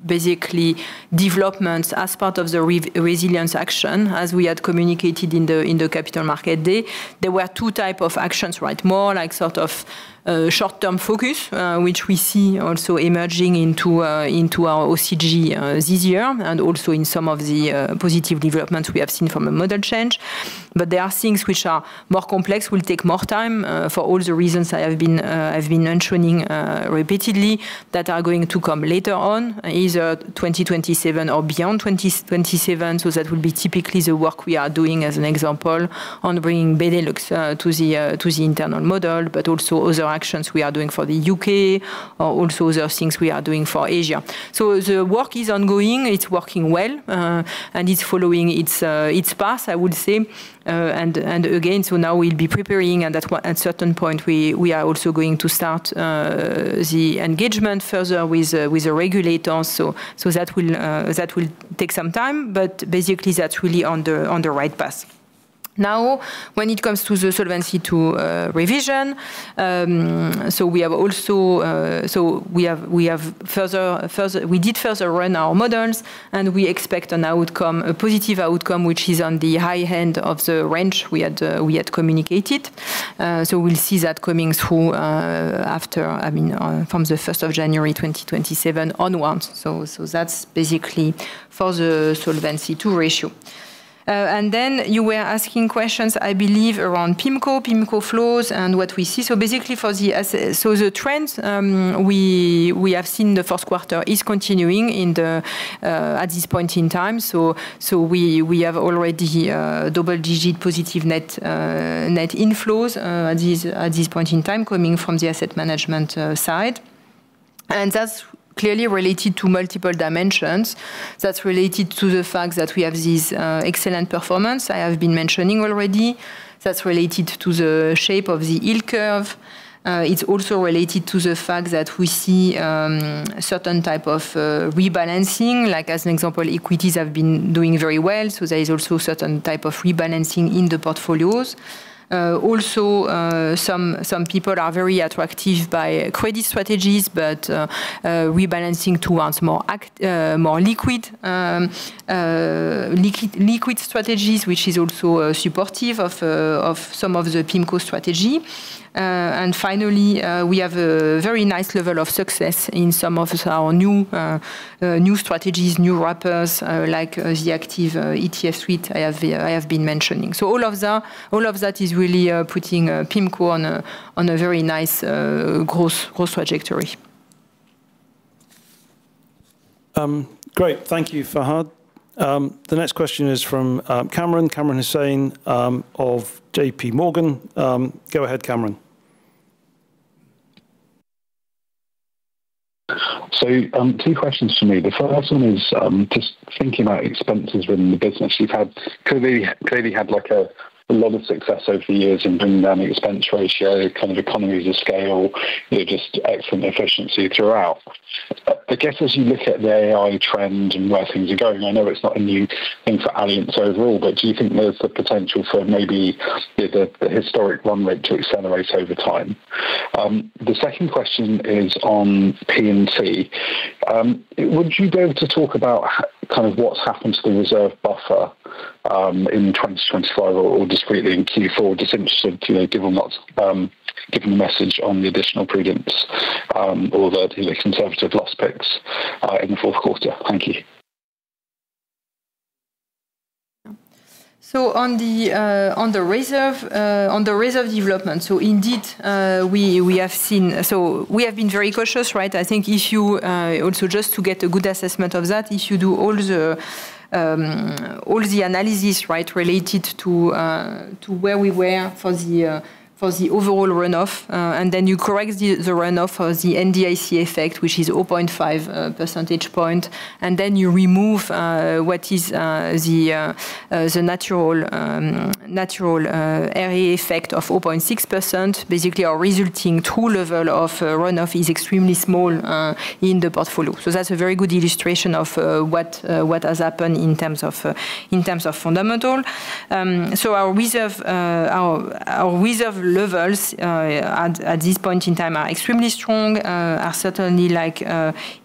basically developments as part of the resilience action, as we had communicated in the Capital Markets Day, there were two type of actions, right? More like sort of short-term focus, which we see also emerging into our OCG this year, and also in some of the positive developments we have seen from a model change. There are things which are more complex, will take more time, for all the reasons I've been mentioning repeatedly, that are going to come later on, either 2027 or beyond 2027. That would be typically the work we are doing as an example on bringing Benelux to the to the internal model, but also other actions we are doing for the U.K., or also the things we are doing for Asia. The work is ongoing, it's working well, and it's following its its path, I would say. Again, now we'll be preparing, and at one, at certain point, we are also going to start the engagement further with with the regulators. That will take some time, but basically that's really on the on the right path. Now, when it comes to the Solvency II revision, we have also... We have further, we did further run our models, and we expect an outcome, a positive outcome, which is on the high end of the range we had communicated. We'll see that coming through, after, I mean, from the 1st of January 2027 onwards. That's basically for the Solvency II ratio. You were asking questions, I believe, around PIMCO flows and what we see. Basically for the trends, we have seen the 1st quarter is continuing in the at this point in time. We have already double-digit positive net inflows at this point in time coming from the asset management side. That's clearly related to multiple dimensions. That's related to the fact that we have this excellent performance I have been mentioning already. That's related to the shape of the yield curve. It's also related to the fact that we see certain type of rebalancing, like, as an example, equities have been doing very well, so there is also certain type of rebalancing in the portfolios. Also, some people are very attracted by credit strategies, but rebalancing towards more liquid strategies, which is also supportive of some of the PIMCO strategy. Finally, we have a very nice level of success in some of our new strategies, new wrappers, like the active ETF suite I have been mentioning. All of the, all of that is really putting PIMCO on a very nice growth trajectory. Great. Thank you, Fahad. The next question is from Kamran. Kamran Hossain of JP Morgan. Go ahead, Kamran. Two questions from me. The first one is, just thinking about expenses within the business, clearly had, like, a lot of success over the years in bringing down the expense ratio, kind of economies of scale, you know, just excellent efficiency throughout. I guess, as you look at the AI trend and where things are going, I know it's not a new thing for Allianz overall, but do you think there's the potential for maybe the historic run rate to accelerate over time? The second question is on P&C. Would you be able to talk about kind of what's happened to the reserve buffer, in 2025 or just briefly in Q4? Just interested to, you know, given that, given the message on the additional prudence, or the conservative loss picks, in the fourth quarter? Thank you. On the reserve development, indeed, we have been very cautious, right? I think if you also just to get a good assessment of that, if you do all the analysis, right, related to where we were for the overall runoff, and then you correct the runoff for the NDIC effect, which is 0.5 percentage point, and then you remove what is the natural AI effect of 0.6%, basically our resulting true level of runoff is extremely small in the portfolio. That's a very good illustration of what has happened in terms of fundamental. Our reserve, our reserve levels, at this point in time are extremely strong, are certainly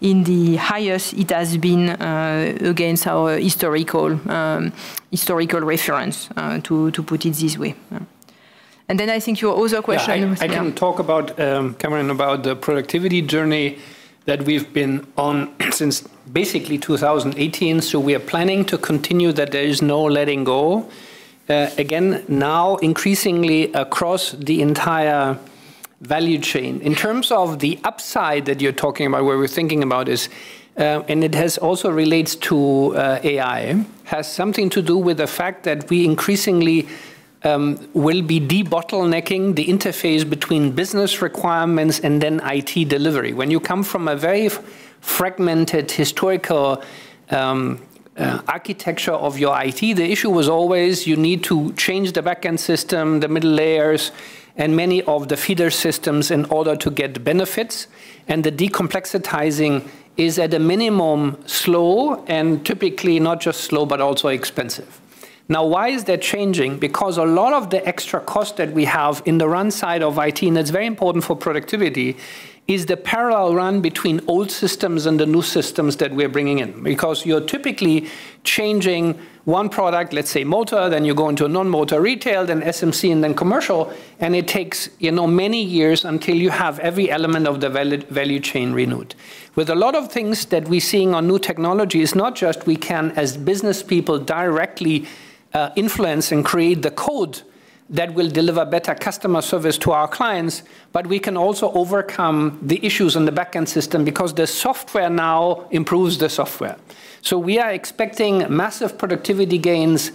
in the highest it has been, against our historical reference, to put it this way. Then I think your other question was. I can talk about Kamran, about the productivity journey that we've been on since basically 2018. We are planning to continue that. There is no letting go. Again, now, increasingly across the entire value chain. In terms of the upside that you're talking about, where we're thinking about is, and it has also relates to AI, has something to do with the fact that we increasingly will be de-bottlenecking the interface between business requirements and then IT delivery. When you come from a very fragmented historical architecture of your IT, the issue was always you need to change the back-end system, the middle layers, and many of the feeder systems in order to get the benefits, and the decomplexitizing is at a minimum, slow, and typically not just slow, but also expensive. Why is that changing? Because a lot of the extra cost that we have in the run side of IT, and that's very important for productivity, is the parallel run between old systems and the new systems that we're bringing in. Because you're typically changing one product, let's say motor, then you go into a non-motor, retail, then SME, and then commercial, and it takes, you know, many years until you have every element of the value chain renewed. With a lot of things that we're seeing on new technologies, not just we can, as business people, directly influence and create the code that will deliver better customer service to our clients, but we can also overcome the issues on the back-end system because the software now improves the software. We are expecting massive productivity gains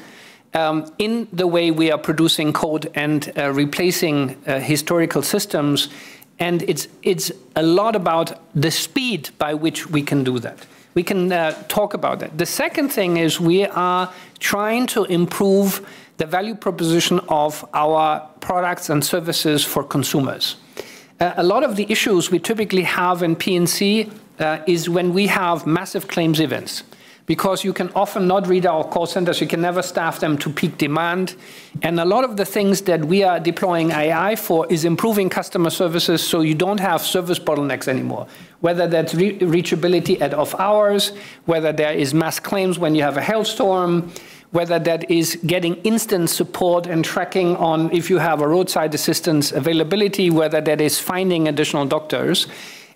in the way we are producing code and replacing historical systems, and it's a lot about the speed by which we can do that. We can talk about that. The second thing is we are trying to improve the value proposition of our products and services for consumers. A lot of the issues we typically have in P&C is when we have massive claims events, because you can often not read our call centers, you can never staff them to peak demand. A lot of the things that we are deploying AI for is improving customer services, so you don't have service bottlenecks anymore, whether that's reachability at off hours, whether there is mass claims when you have a hailstorm, whether that is getting instant support and tracking on if you have a roadside assistance availability, whether that is finding additional doctors.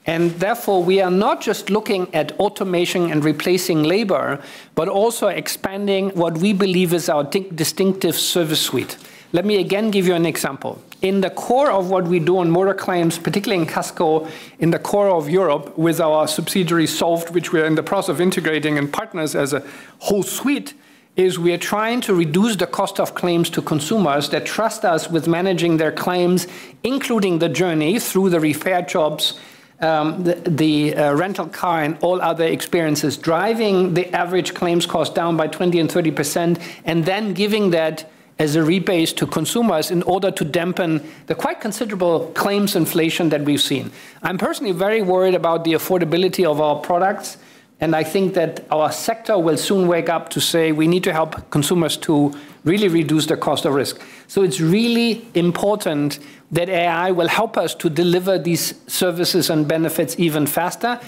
Therefore, we are not just looking at automation and replacing labor, but also expanding what we believe is our distinctive service suite. Let me again give you an example. In the core of what we do on motor claims, particularly in Casco, in the core of Europe, with our subsidiary, Solvd, which we are in the process of integrating and partners as a whole suite. is we are trying to reduce the cost of claims to consumers that trust us with managing their claims, including the journey through the repair jobs, the rental car and all other experiences, driving the average claims cost down by 20% and 30%, and then giving that as a rebate to consumers in order to dampen the quite considerable claims inflation that we've seen. I'm personally very worried about the affordability of our products, and I think that our sector will soon wake up to say: We need to help consumers to really reduce the cost of risk. It's really important that AI will help us to deliver these services and benefits even faster.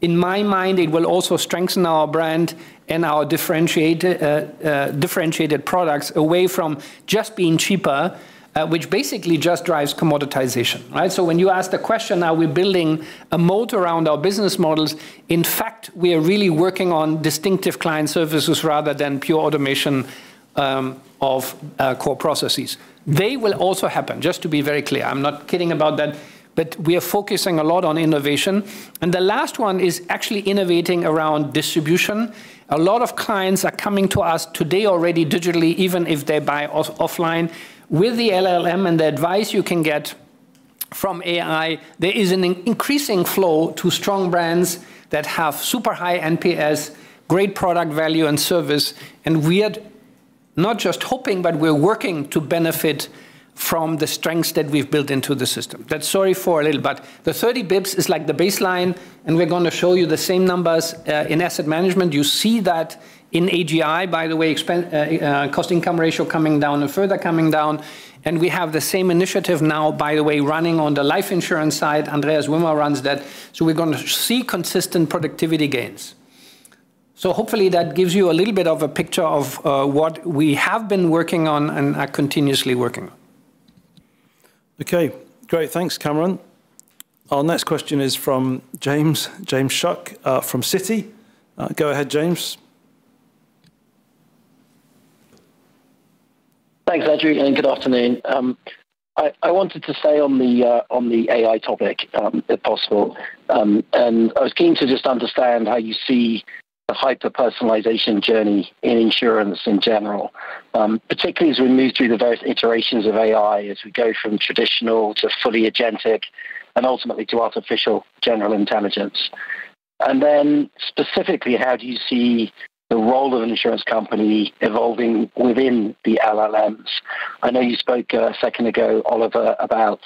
In my mind, it will also strengthen our brand and our differentiated products away from just being cheaper, which basically just drives commoditization, right? When you ask the question, are we building a moat around our business models? In fact, we are really working on distinctive client services rather than pure automation of core processes. They will also happen, just to be very clear. I'm not kidding about that, but we are focusing a lot on innovation. The last one is actually innovating around distribution. A lot of clients are coming to us today already digitally, even if they buy offline. With the LLM and the advice you can get from AI, there is an increasing flow to strong brands that have super high NPS, great product value and service, and we are not just hoping, but we're working to benefit from the strengths that we've built into the system. That's sorry for a little, but the 30 bips is like the baseline, and we're going to show you the same numbers in asset management. You see that in AGI, by the way, cost-income ratio coming down and further coming down, and we have the same initiative now, by the way, running on the life insurance side. Andreas Wimmer runs that. We're going to see consistent productivity gains. Hopefully that gives you a little bit of a picture of what we have been working on and are continuously working on. Okay, great. Thanks, Kamran. Our next question is from James Shuck, from Citi. Go ahead, James. Thanks, Andrew, good afternoon. I wanted to stay on the AI topic, if possible. I was keen to just understand how you see the hyper-personalization journey in insurance in general, particularly as we move through the various iterations of AI, as we go from traditional to fully agentic and ultimately to artificial general intelligence. Specifically, how do you see the role of an insurance company evolving within the LLMs? I know you spoke a second ago, Oliver, about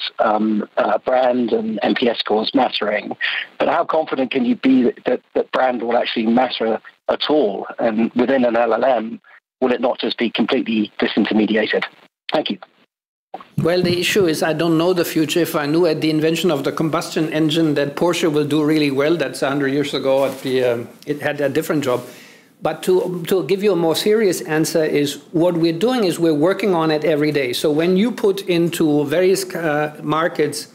brand and NPS scores mattering, but how confident can you be that brand will actually matter at all? Within an LLM, will it not just be completely disintermediated? Thank you. The issue is I don't know the future. If I knew at the invention of the combustion engine that Porsche will do really well, that's 100 years ago. It had a different job. To give you a more serious answer is what we're doing is we're working on it every day. When you put into various markets,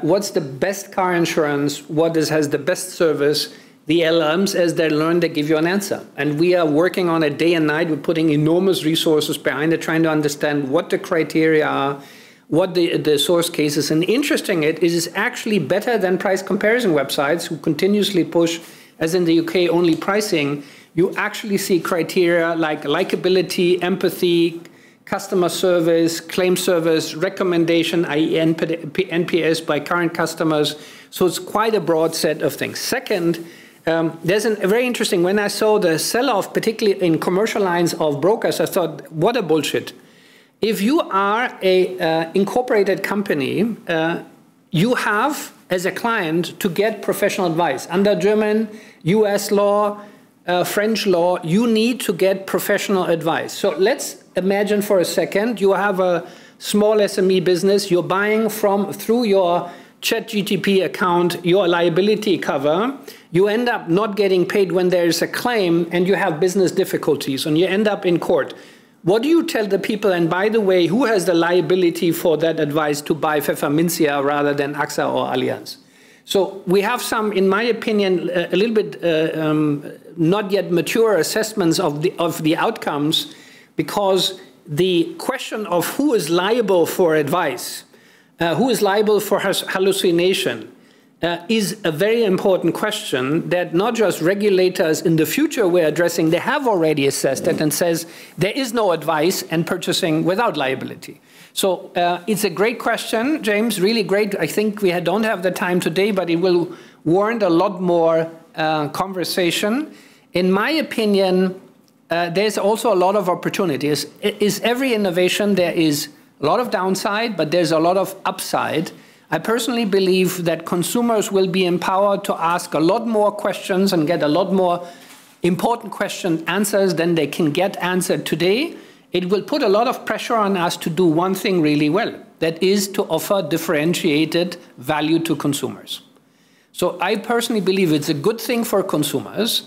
what's the best car insurance, what has the best service, the LLMs, as they learn, they give you an answer. We are working on it day and night. We're putting enormous resources behind it, trying to understand what the criteria are, what the source case is. Interesting, it is actually better than price comparison websites who continuously push, as in the U.K., only pricing. You actually see criteria like likability, empathy, customer service, claim service, recommendation, i.e., NPS by current customers. It's quite a broad set of things. Second, there's a very interesting when I saw the sell-off, particularly in commercial lines of brokers, I thought, "What a bullshit!" If you are a incorporated company, you have, as a client, to get professional advice. Under German, U.S. law, French law, you need to get professional advice. Let's imagine for a second, you have a small SME business. You're buying from, through your ChatGPT account, your liability cover. You end up not getting paid when there is a claim, and you have business difficulties, and you end up in court. What do you tell the people? By the way, who has the liability for that advice to buy Pfefferminzia rather than AXA or Allianz? We have some, in my opinion, a little bit not yet mature assessments of the outcomes, because the question of who is liable for advice, who is liable for hallucination, is a very important question that not just regulators in the future we're addressing, they have already assessed it and says there is no advice and purchasing without liability. It's a great question, James. Really great. I think we don't have the time today, but it will warrant a lot more conversation. In my opinion, there's also a lot of opportunities. In every innovation, there is a lot of downside, but there's a lot of upside. I personally believe that consumers will be empowered to ask a lot more questions and get a lot more important question answers than they can get answered today. It will put a lot of pressure on us to do one thing really well, that is to offer differentiated value to consumers. I personally believe it's a good thing for consumers.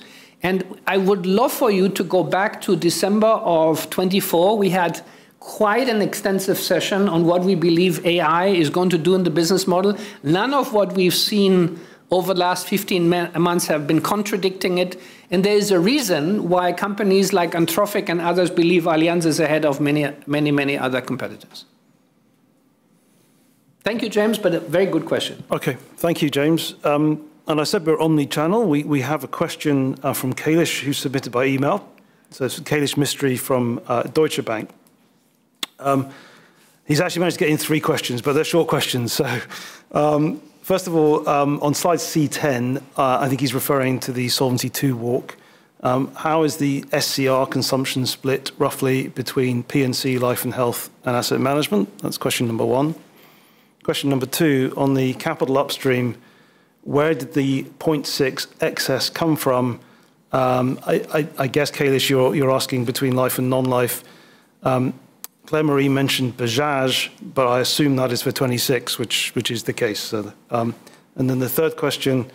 I would love for you to go back to December of 2024. We had quite an extensive session on what we believe AI is going to do in the business model. None of what we've seen over the last 15 months have been contradicting it. There is a reason why companies like Anthropic and others believe Allianz is ahead of many, many, many other competitors. Thank you, James, a very good question. Okay. Thank you, James. I said we're omni-channel. We have a question from Kailesh, who submitted by email. It's Kailesh Mistry from Deutsche Bank. He's actually managed to get in three questions, but they're short questions. First of all, on slide c-10, I think he's referring to the Solvency II work. How is the SCR consumption split roughly between P&C, life and health, and asset management? That's question number one. Question number two: on the capital upstream, where did the 0.6 excess come from? I guess, Kailesh, you're asking between life and non-life. Claire-Marie mentioned Bajaj, but I assume that is for 2026, which is the case. The third question: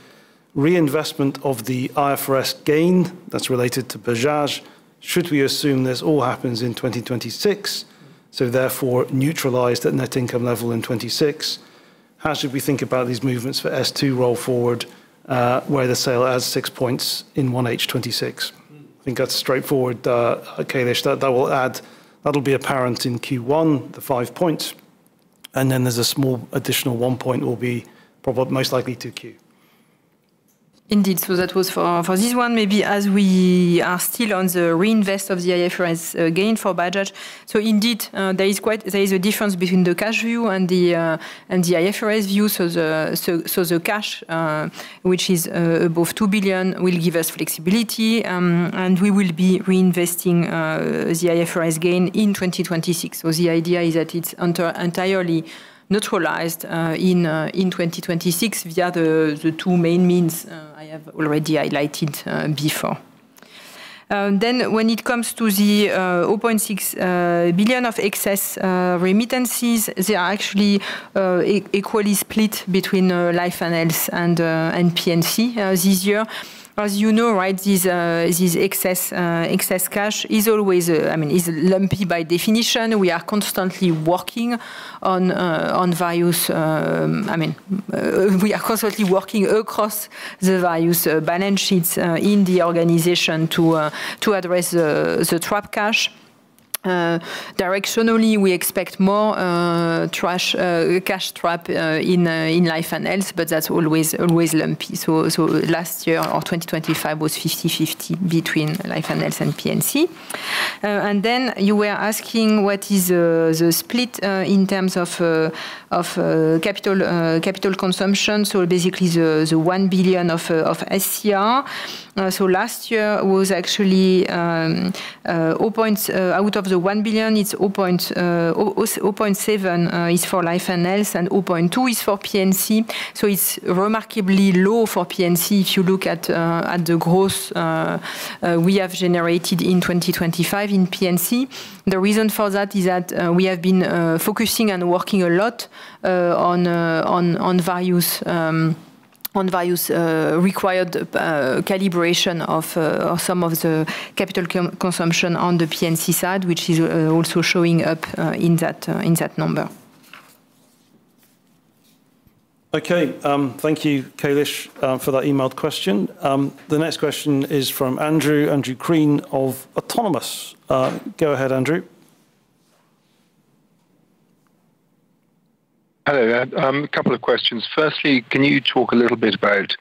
reinvestment of the IFRS gain that's related to Bajaj, should we assume this all happens in 2026, so therefore neutralized at net income level in 2026? How should we think about these movements for S2 roll forward, where the sale adds 6 points in 1H 2026? I think that's straightforward, Kailesh. That'll be apparent in Q1, the 5 points, and then there's a small additional 1 point will be most likely 2Q. Indeed. That was for this one, maybe as we are still on the reinvest of the IFRS gain for Bajaj. Indeed, there is a difference between the cash view and the IFRS view. The cash, which is above 2 billion, will give us flexibility, and we will be reinvesting the IFRS gain in 2026. The idea is that it's entirely neutralized in 2026 via the two main means I have already highlighted before. When it comes to the 0.6 billion of excess remittances, they are actually equally split between life and health and P&C this year. As you know, right, this excess cash is always, I mean, is lumpy by definition. We are constantly working across the various balance sheets in the organization to address the trap cash. Directionally, we expect more cash trap in life and health, but that's always lumpy. Last year or 2025 was 50/50 between life and health and P&C. You were asking what is the split in terms of capital consumption, so basically the 1 billion of SCR. Last year was actually 0 points. Out of the 1 billion, it's 0.7 is for life and health, and 0.2 is for P&C. It's remarkably low for P&C if you look at the growth we have generated in 2025 in P&C. The reason for that is that we have been focusing and working a lot on various on various required calibration of some of the capital consumption on the P&C side, which is also showing up in that in that number. Okay. Thank you, Kailesh, for that emailed question. The next question is from Andrew Crean of Autonomous. Go ahead, Andrew. Hello there. A couple of questions. Firstly, can you talk a little bit about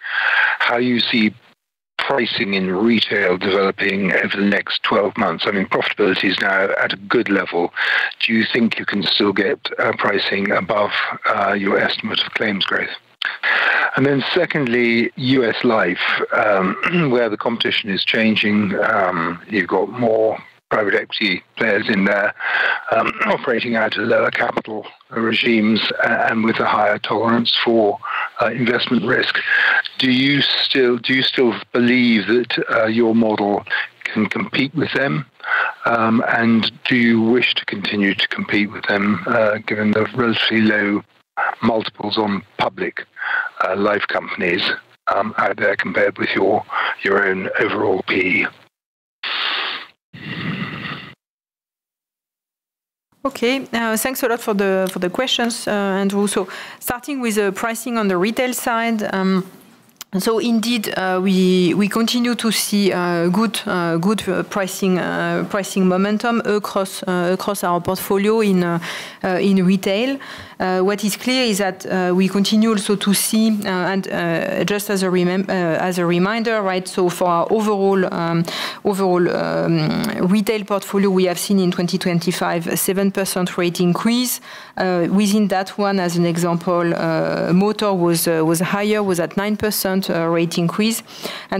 how you see pricing in retail developing over the next 12 months? I mean profitability is now at a good level. Do you think you can still get pricing above your estimate of claims growth? Secondly, U.S. life, where the competition is changing. You've got more private equity players in there, operating at lower capital regimes and with a higher tolerance for investment risk. Do you still believe that your model can compete with them? Do you wish to continue to compete with them, given the relatively low multiples on public life companies out there compared with your own overall P? Okay. Thanks a lot for the questions, Andrew. Starting with the pricing on the retail side, indeed, we continue to see good pricing momentum across our portfolio in retail. What is clear is that we continue also to see, and just as a reminder, right, for our overall retail portfolio, we have seen in 2025 a 7% rate increase. Within that one, as an example, motor was higher, was at 9% rate increase.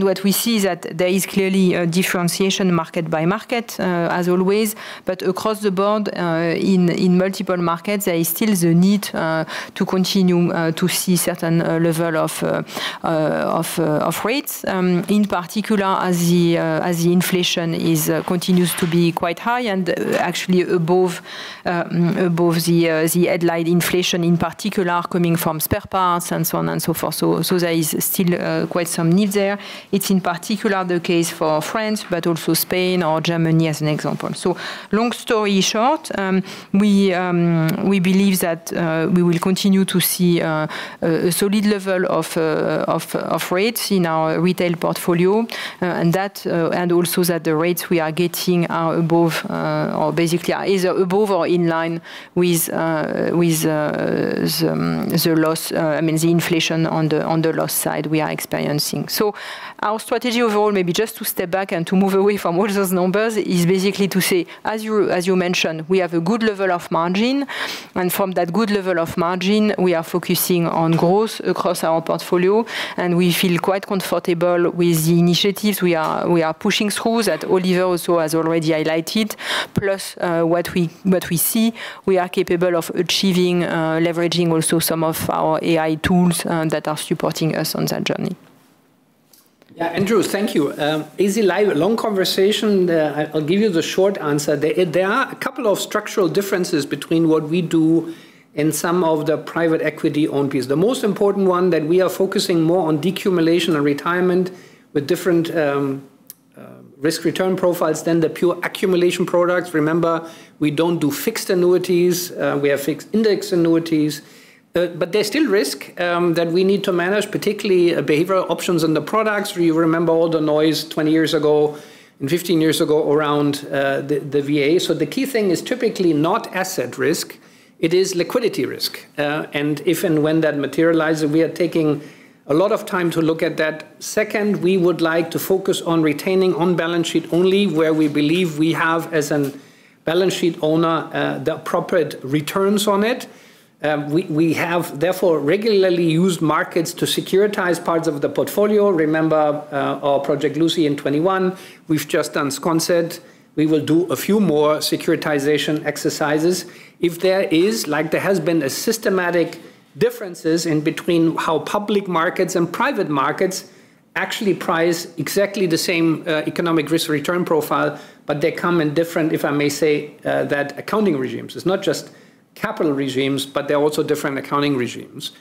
What we see is that there is clearly a differentiation market by market, as always. Across the board, in multiple markets, there is still the need to continue to see certain level of rates, in particular, as the inflation continues to be quite high and actually above the headline inflation, in particular, coming from spare parts and so on and so forth. There is still quite some need there. It's in particular the case for France, but also Spain or Germany, as an example. Long story short, we believe that we will continue to see a solid level of rates in our retail portfolio, and that... And also on the loss side we are experiencing. Our strategy overall, maybe just to step back and to move away from all those numbers, is basically to say, as you mentioned, we have a good level of margin, and from that good level of margin, we are focusing on growth across our portfolio, and we feel quite comfortable with the initiatives we are pushing through, that Oliver also has already highlighted. Plus, what we see, we are capable of achieving, leveraging also some of our AI tools that are supporting us on that journey. Yeah, Andrew, thank you. Allianz Life, long conversation, I'll give you the short answer. There, there are a couple of structural differences between what we do and some of the private equity-owned piece. The most important one, that we are focusing more on decumulation and retirement with different risk return profiles than the pure accumulation products. Remember, we don't do fixed annuities, we have fixed indexed annuities. There's still risk that we need to manage, particularly behavioral options on the products. You remember all the noise 20 years ago and 15 years ago around the VA. The key thing is typically not asset risk, it is liquidity risk. If and when that materializes, we are taking a lot of time to look at that. Second, we would like to focus on retaining on-balance sheet only where we believe we have, as an balance sheet owner, the appropriate returns on it. We have therefore regularly used markets to securitize parts of the portfolio. Remember, our Project Lucy in 2021. We've just done Sconset. We will do a few more securitization exercises. If there is, like, there has been a systematic differences in between how public markets and private markets actually price exactly the same economic risk return profile, but they come in different, if I may say, that accounting regimes. It's not just capital regimes, but they're also different accounting regimes.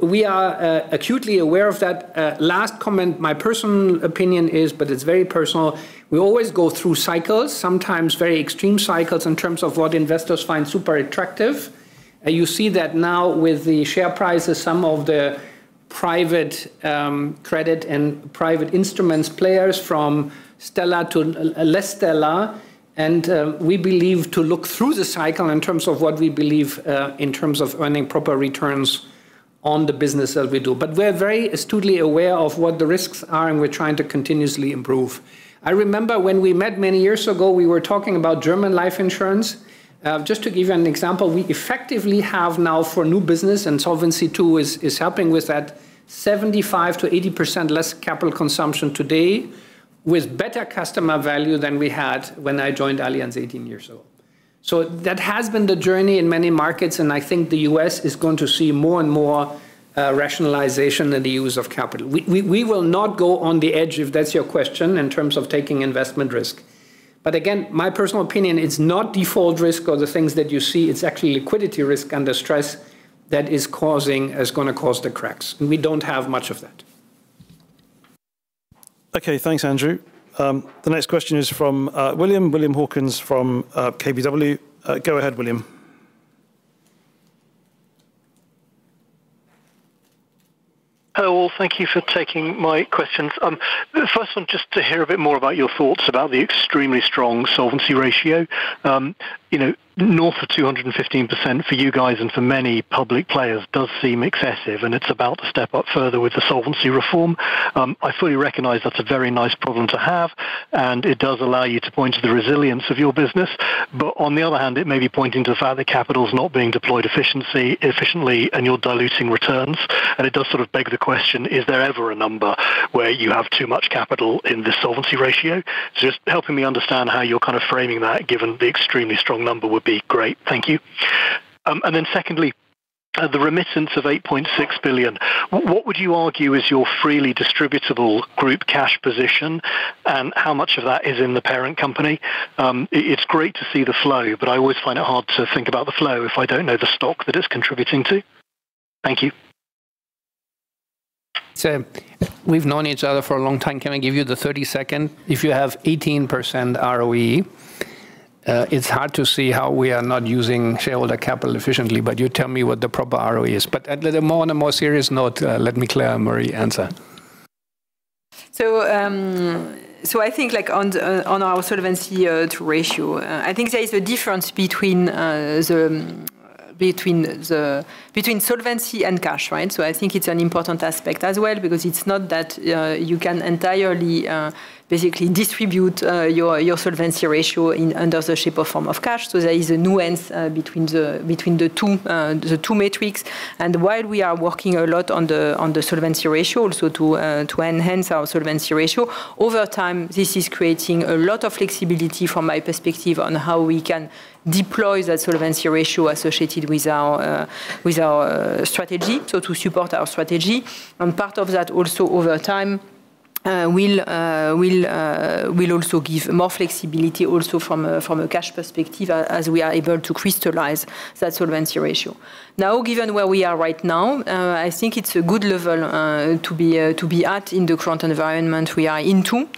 We are acutely aware of that. Last comment, my personal opinion is, but it's very personal, we always go through cycles, sometimes very extreme cycles, in terms of what investors find super attractive. You see that now with the share prices, some of the private credit and private instruments players from stellar to less stellar. We believe to look through the cycle in terms of what we believe in terms of earning proper returns on the business that we do. We're very astutely aware of what the risks are, and we're trying to continuously improve. I remember when we met many years ago, we were talking about German life insurance. Just to give you an example, we effectively have now, for new business, and Solvency II is helping with that, 75%-80% less capital consumption today, with better customer value than we had when I joined Allianz 18 years ago. That has been the journey in many markets, and I think the U.S. is going to see more and more rationalization in the use of capital. We will not go on the edge, if that's your question, in terms of taking investment risk. Again, my personal opinion, it's not default risk or the things that you see, it's actually liquidity risk and the stress that is gonna cause the cracks, and we don't have much of that. Okay, thanks, Andrew. The next question is from William. William Hawkins from KBW. Go ahead, William. Hello, thank you for taking my questions. The first one, just to hear a bit more about your thoughts about the extremely strong solvency ratio. You know, north of 215% for you guys and for many public players does seem excessive, and it's about to step up further with the solvency reform. I fully recognize that's a very nice problem to have, and it does allow you to point to the resilience of your business. On the other hand, it may be pointing to the fact that capital is not being deployed efficiently, and you're diluting returns. It does sort of beg the question: Is there ever a number where you have too much capital in this solvency ratio? Just helping me understand how you're kind of framing that, given the extremely strong number, would be great. Thank you. Then secondly, the remittance of 8.6 billion, what would you argue is your freely distributable group cash position? How much of that is in the parent company? It's great to see the flow, but I always find it hard to think about the flow if I don't know the stock that it's contributing to? Thank you. We've known each other for a long time. Can I give you the 30-second? If you have 18% ROE, it's hard to see how we are not using shareholder capital efficiently, but you tell me what the proper ROE is. On a more serious note, let Marie-Claire answer. I think like on our solvency ratio, I think there is a difference between the, between solvency and cash, right? I think it's an important aspect as well, because it's not that you can entirely basically distribute your solvency ratio in, under the shape or form of cash. There is a nuance between the, between the two, the two metrics. While we are working a lot on the, on the solvency ratio, also to enhance our solvency ratio, over time, this is creating a lot of flexibility from my perspective on how we can deploy that solvency ratio associated with our, with our strategy, so to support our strategy. Part of that also over time, will also give more flexibility also from a cash perspective, as we are able to crystallize that solvency ratio. Given where we are right now, I think it's a good level to be at in the current environment we are into,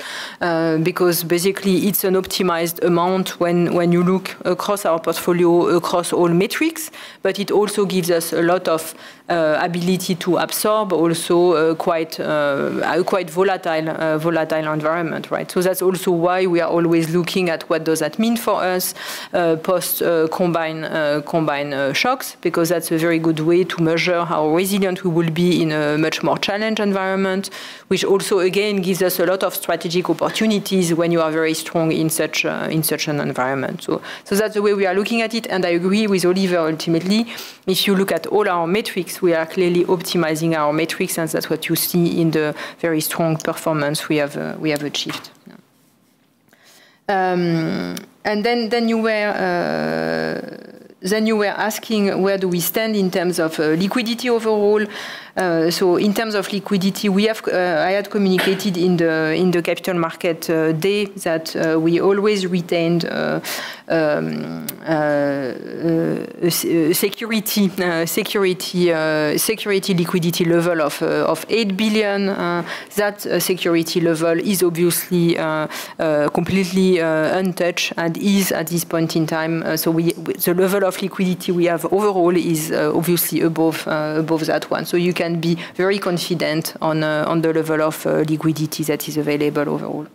because basically it's an optimized amount when you look across our portfolio, across all metrics. It also gives us a lot of ability to absorb also a quite volatile environment, right. That's also why we are always looking at what does that mean for us, post combine shocks, because that's a very good way to measure how resilient we will be in a much more challenged environment, which also, again, gives us a lot of strategic opportunities when you are very strong in such an environment. That's the way we are looking at it, and I agree with Oliver, ultimately. If you look at all our metrics, we are clearly optimizing our metrics, and that's what you see in the very strong performance we have achieved. You were asking where do we stand in terms of liquidity overall? In terms of liquidity, we have I had communicated in the Capital Market Day that we always retained a security liquidity level of 8 billion. That security level is obviously completely untouched and is at this point in time. The level of liquidity we have overall is obviously above that one. You can be very confident on the level of liquidity that is available overall.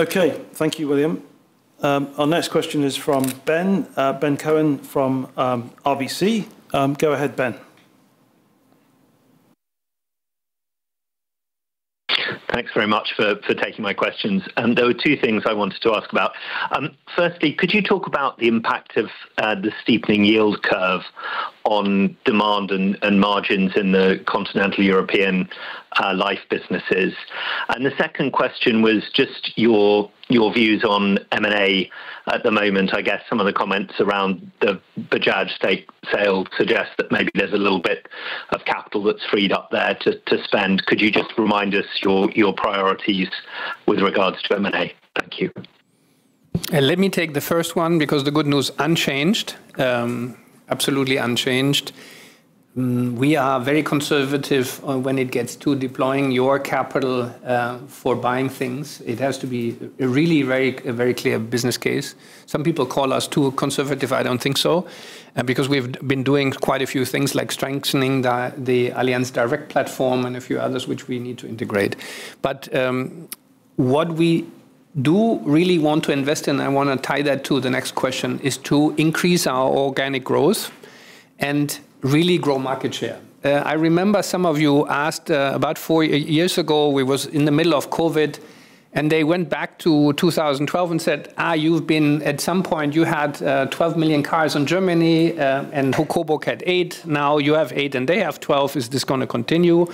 Okay. Thank you, William. Our next question is from Mandeep Jagpal from RBC. Go ahead, Ben. Thanks very much for taking my questions. There were two things I wanted to ask about. Firstly, could you talk about the impact of the steepening yield curve on demand and margins in the continental European life businesses? The second question was just your views on M&A. At the moment, I guess some of the comments around the Bajaj stake sale suggest that maybe there's a little bit of capital that's freed up there to spend. Could you just remind us your priorities with regards to M&A? Thank you. Let me take the first one, because the good news, unchanged, absolutely unchanged. We are very conservative when it gets to deploying your capital for buying things. It has to be a really very clear business case. Some people call us too conservative, I don't think so, because we've been doing quite a few things like strengthening the Allianz Direct platform and a few others, which we need to integrate. What we do really want to invest in, I want to tie that to the next question, is to increase our organic growth and really grow market share. I remember some of you asked about four years ago, we was in the middle of COVID, and they went back to 2012 and said, "At some point, you had 12 million cars in Germany, and HUK-COBURG had 8. Now you have 8 and they have 12. Is this going to continue?"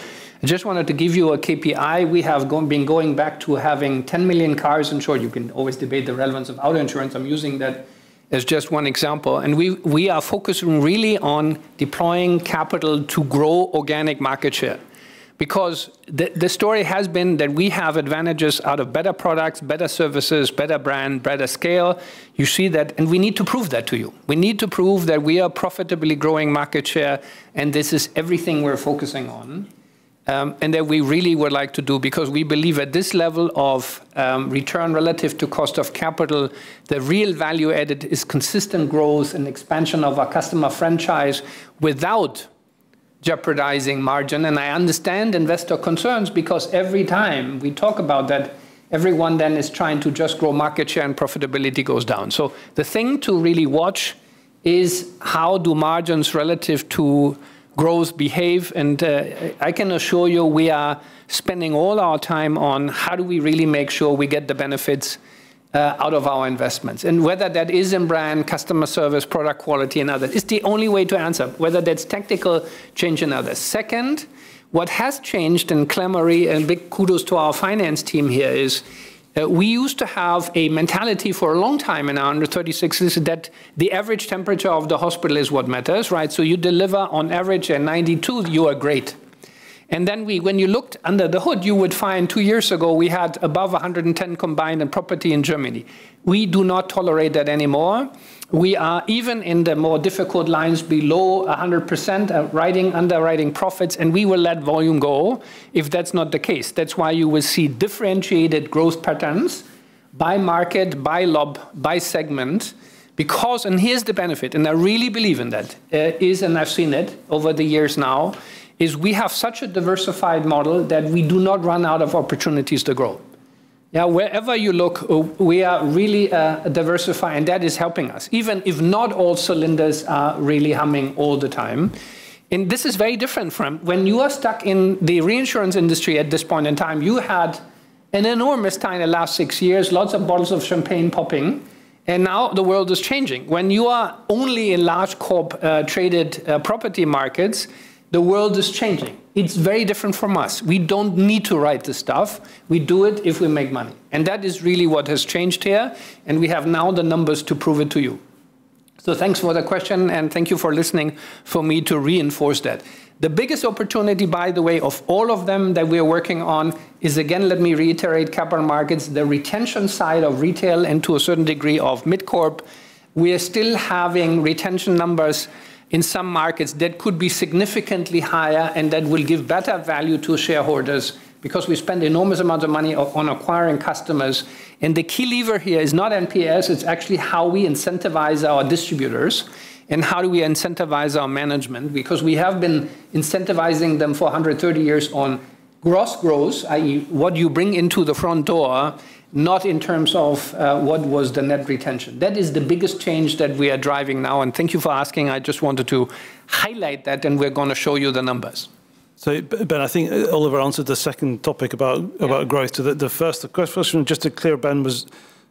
I just wanted to give you a KPI. We have been going back to having 10 million cars, I'm sure you can always debate the relevance of auto insurance. I'm using that as just one example, we are focusing really on deploying capital to grow organic market share. The story has been that we have advantages out of better products, better services, better brand, better scale. You see that, we need to prove that to you. We need to prove that we are profitably growing market share, and this is everything we're focusing on, and that we really would like to do. We believe at this level of return relative to cost of capital, the real value added is consistent growth and expansion of our customer franchise without jeopardizing margin. I understand investor concerns, because every time we talk about that, everyone then is trying to just grow market share, and profitability goes down. The thing to really watch is how do margins relative to growth behave? I can assure you, we are spending all our time on how do we really make sure we get the benefits out of our investments. Whether that is in brand, customer service, product quality, and other. It's the only way to answer, whether that's technical change or another. What has changed, and clairement, and big kudos to our finance team here, is, we used to have a mentality for a long time in our under 36, is that the average temperature of the hospital is what matters, right? You deliver on average a 92, you are great. When you looked under the hood, you would find 2 years ago we had above 110 combined in property in Germany. We do not tolerate that anymore. We are even in the more difficult lines, below 100% of writing, underwriting profits, and we will let volume go if that's not the case. You will see differentiated growth patterns by market, by lob, by segment. Here's the benefit, and I really believe in that, is, and I've seen it over the years now, is we have such a diversified model that we do not run out of opportunities to grow. Wherever you look, we are really diversified, and that is helping us, even if not all cylinders are really humming all the time. This is very different from when you are stuck in the reinsurance industry at this point in time. You had an enormous time in the last six years, lots of bottles of champagne popping, and now the world is changing. When you are only in large corp traded property markets, the world is changing. It's very different from us. We don't need to write this stuff. We do it if we make money, and that is really what has changed here, and we have now the numbers to prove it to you. Thanks for the question, and thank you for listening for me to reinforce that. The biggest opportunity, by the way, of all of them that we are working on, is, again, let me reiterate, capital markets, the retention side of retail, and to a certain degree, of mid-corp. We are still having retention numbers in some markets that could be significantly higher and that will give better value to shareholders, because we spend enormous amount of money on acquiring customers. The key lever here is not NPS, it's actually how we incentivize our distributors and how do we incentivize our management, because we have been incentivizing them for 130 years on gross growth, i.e., what you bring into the front door, not in terms of what was the net retention. That is the biggest change that we are driving now, and thank you for asking. I just wanted to highlight that, and we're going to show you the numbers. Ben, I think Oliver answered the second topic. Yeah... about growth. To the first question, just to clear, Ben, was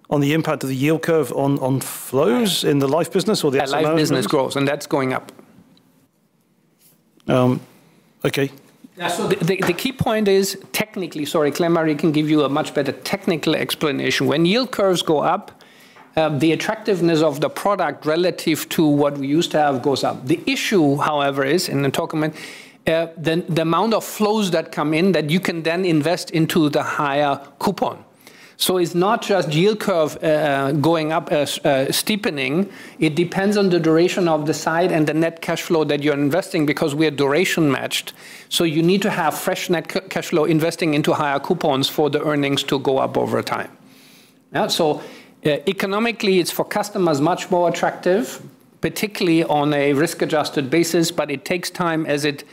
on the impact of the yield curve on flows- Right in the life business or the-. On life business growth, that's going up.... okay. Yeah, the key point is technically, sorry, Claire-Marie Coste-Lepoutre can give you a much better technical explanation. When yield curves go up, the attractiveness of the product relative to what we used to have goes up. The issue, however, is in the document, the amount of flows that come in, that you can then invest into the higher coupon. It's not just yield curve going up as steepening, it depends on the duration of the side and the net cash flow that you're investing, because we are duration matched. You need to have fresh net cash flow investing into higher coupons for the earnings to go up over time. Economically, it's for customers much more attractive, particularly on a risk-adjusted basis, but it takes time as it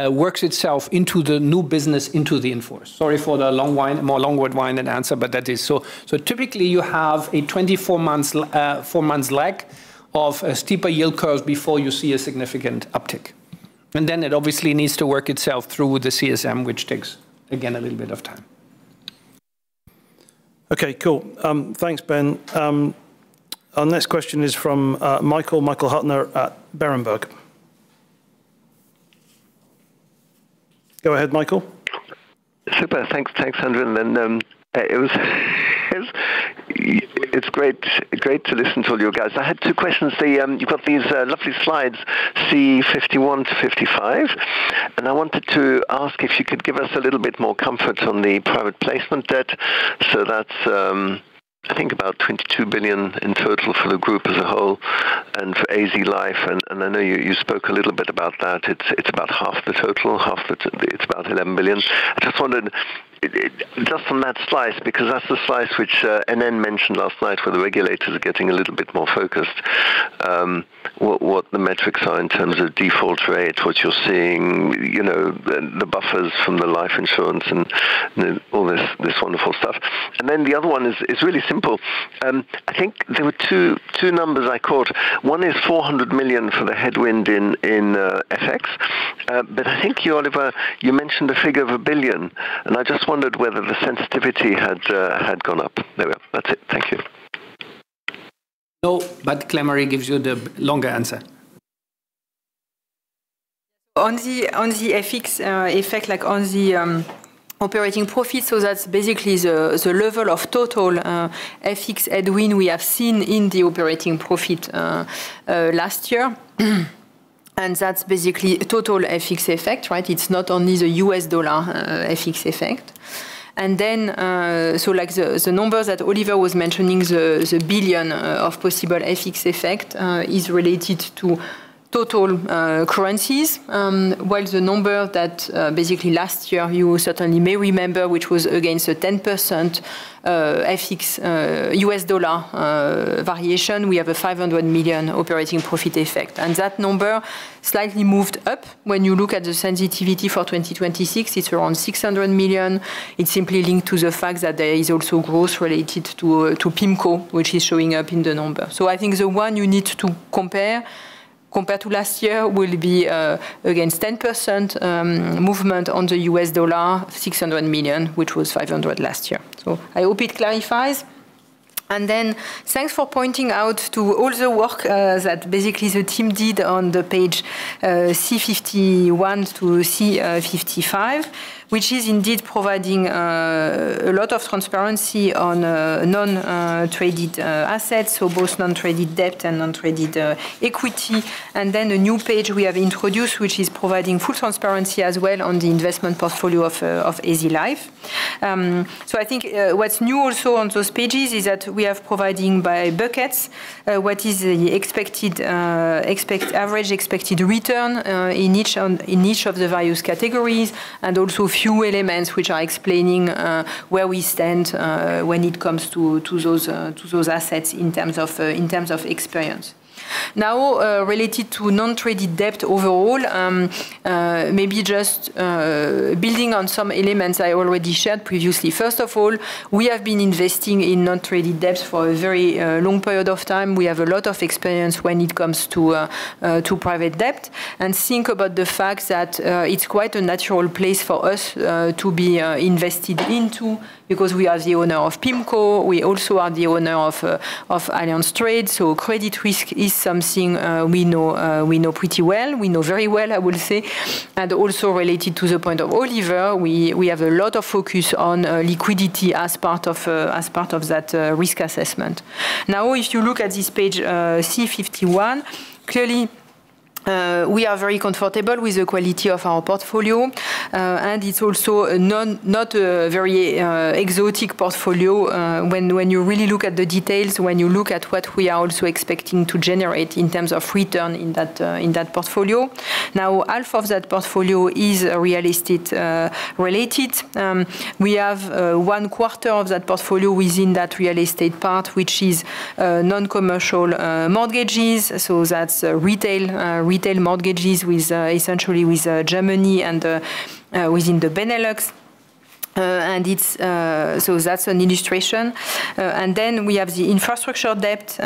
works itself into the new business, into the inforce. Sorry for the long wind, more long-winded wind than answer, but that is so. Typically, you have a 4 months lag of a steeper yield curve before you see a significant uptick. Then it obviously needs to work itself through the CSM, which takes, again, a little bit of time. Okay, cool. Thanks, Ben. Our next question is from Michael Huttner at Berenberg. Go ahead, Michael. Super. Thanks, Andrew, it's great to listen to all you guys. I had two questions. You've got these lovely slides, C 51 to 55, I wanted to ask if you could give us a little bit more comfort on the private placement debt. That's I think about 22 billion in total for the group as a whole and for AZ Life. I know you spoke a little bit about that. It's about half the total, it's about 11 billion. I just wondered, just from that slide, because that's the slide which NN mentioned last night, where the regulators are getting a little bit more focused, what the metrics are in terms of default rate, what you're seeing, you know, the buffers from the life insurance and all this wonderful stuff. The other one is really simple. I think there were two numbers I caught. One is 400 million for the headwind in FX. I think Oliver, you mentioned a figure of 1 billion, and I just wondered whether the sensitivity had gone up. There we are. That's it. Thank you. No. Claire-Marie Coste-Lepoutre gives you the longer answer. FX effect on the operating profit, that's basically the level of total FX headwind we have seen in the operating profit last year. That's basically total FX effect, right? It's not only the U.S. dollar FX effect. The numbers that Oliver was mentioning, the 1 billion of possible FX effect, is related to total currencies. While the number that last year, you certainly may remember, which was against a 10% FX U.S. dollar variation, we have a 500 million operating profit effect. That number slightly moved up. When you look at the sensitivity for 2026, it's around 600 million. It's simply linked to the fact that there is also growth related to PIMCO, which is showing up in the number. I think the one you need to compare, compared to last year, will be against 10% movement on the US dollar, 600 million, which was 500 million last year. I hope it clarifies. Thanks for pointing out to all the work that basically the team did on the page C 51 to C 55, which is indeed providing a lot of transparency on non-traded assets, so both non-traded debt and non-traded equity. A new page we have introduced, which is providing full transparency as well on the investment portfolio of AZ Life. I think what's new also on those pages is that we are providing by buckets what is the average expected return in each of the various categories, and also a few elements which are explaining where we stand when it comes to those assets in terms of experience. Related to non-traded debt overall, maybe just building on some elements I already shared previously. First of all, we have been investing in non-traded debts for a very long period of time. We have a lot of experience when it comes to private debt. Think about the fact that it's quite a natural place for us to be invested into, because we are the owner of PIMCO. We also are the owner of Allianz Trade, so credit risk is something we know pretty well. We know very well, I would say. Also related to the point of Oliver, we have a lot of focus on liquidity as part of as part of that risk assessment. If you look at this page, C 51, clearly, we are very comfortable with the quality of our portfolio, and it's also a not a very exotic portfolio when you really look at the details, when you look at what we are also expecting to generate in terms of return in that portfolio. Half of that portfolio is real estate related. We have one quarter of that portfolio within that real estate part, which is non-commercial mortgages, so that's retail retail mortgages with essentially with Germany and within the Benelux. That's an illustration. Then we have the infrastructure debt,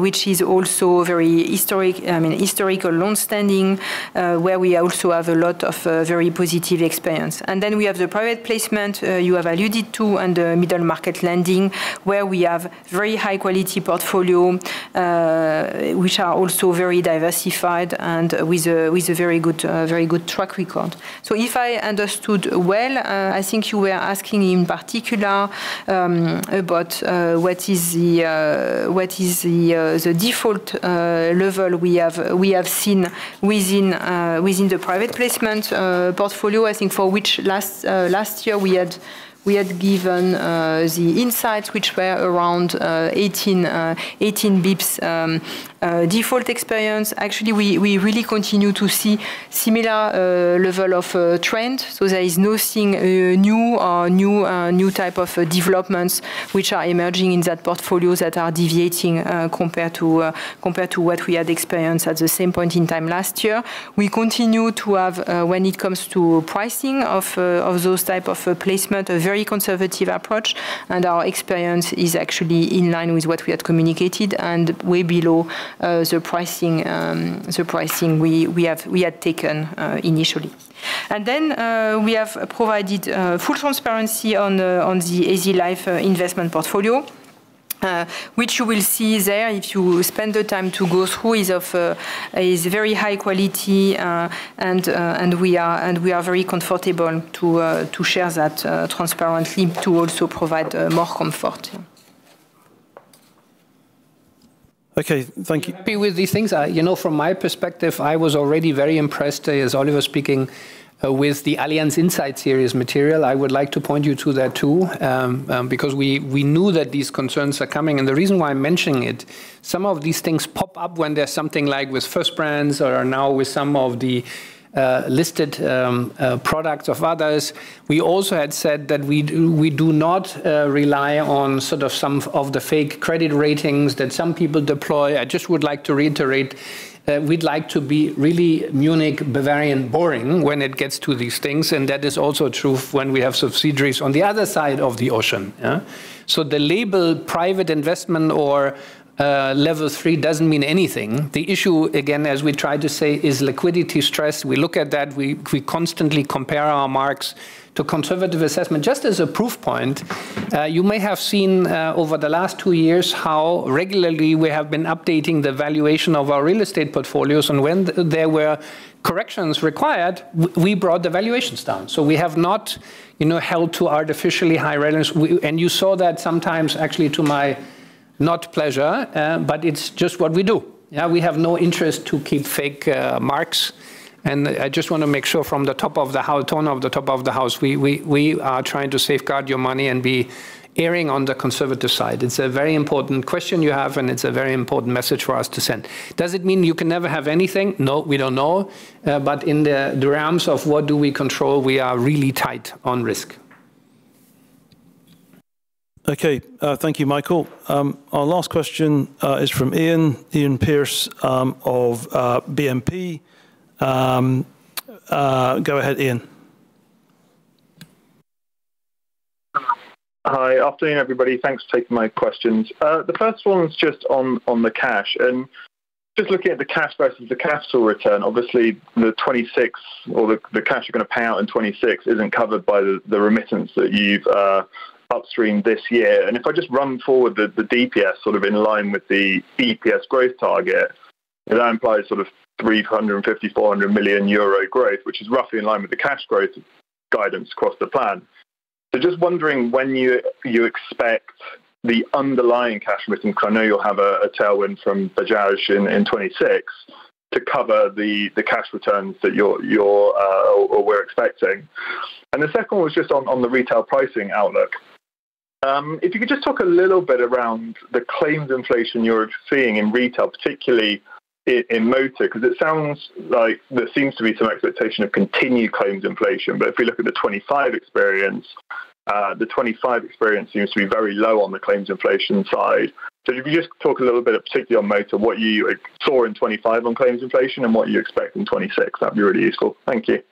which is also very historic, I mean, historical, longstanding, where we also have a lot of very positive experience. Then we have the private placement, you have alluded to, and the middle market lending, where we have very high-quality portfolio, which are also very diversified and with a very good very good track record. If I understood well, I think you were asking in particular about what is the default level we have seen within the private placement portfolio, I think for which last year we had given the insights which were around 18 basis points default experience. Actually, we really continue to see similar level of trend. There is nothing new type of developments which are emerging in that portfolios that are deviating compared to what we had experienced at the same point in time last year. We continue to have, when it comes to pricing of those type of placement, a very conservative approach, and our experience is actually in line with what we had communicated and way below, the pricing we had taken initially. We have provided full transparency on the AZ Life investment portfolio, which you will see there, if you spend the time to go through, is of very high quality, and we are very comfortable to share that transparency to also provide more comfort. Okay, thank you. Happy with these things. You know, from my perspective, I was already very impressed as Oliver speaking, with the Allianz Insight Series material. I would like to point you to that too, because we knew that these concerns are coming, and the reason why I'm mentioning it, some of these things pop up when there's something like with First Brands or now with some of the listed products of others. We also had said that we do not rely on sort of some of the fake credit ratings that some people deploy. I just would like to reiterate that we'd like to be really Munich, Bavarian boring when it gets to these things, and that is also true when we have subsidiaries on the other side of the ocean, yeah? The label private investment or level three doesn't mean anything. The issue, again, as we tried to say, is liquidity stress. We look at that, we constantly compare our marks to conservative assessment. Just as a proof point, you may have seen over the last two years, how regularly we have been updating the valuation of our real estate portfolios, and when there were corrections required, we brought the valuations down. We have not, you know, held to artificially high rentals. You saw that sometimes, actually, to my not pleasure, but it's just what we do. Yeah, we have no interest to keep fake marks. I just wanna make sure from the tone of the top of the house, we are trying to safeguard your money and be erring on the conservative side. It's a very important question you have, and it's a very important message for us to send. Does it mean you can never have anything? No, we don't know, but in the realms of what do we control, we are really tight on risk. Okay, thank you, Michael. Our last question is from Iain Pearce of BNP. Go ahead, Ian. Hi. Afternoon, everybody. Thanks for taking my questions. The first one is just on the cash. Just looking at the cash versus the cash flow return, obviously, the 2026 or the cash you're going to pay out in 2026 isn't covered by the remittance that you've upstreamed this year. If I just run forward the DPS sort of in line with the EPS growth target, that implies sort of 350 million-400 million euro growth, which is roughly in line with the cash growth guidance across the plan. Just wondering when you expect the underlying cash return, 'cause I know you'll have a tailwind from Bajaj in 2026, to cover the cash returns that you're or we're expecting. The second one was just on the retail pricing outlook. If you could just talk a little bit around the claims inflation you're seeing in retail, particularly in motor, 'cause it sounds like there seems to be some expectation of continued claims inflation. If we look at the 25 experience seems to be very low on the claims inflation side. If you just talk a little bit, particularly on motor, what you saw in 25 on claims inflation and what you expect in 26, that'd be really useful? Thank you.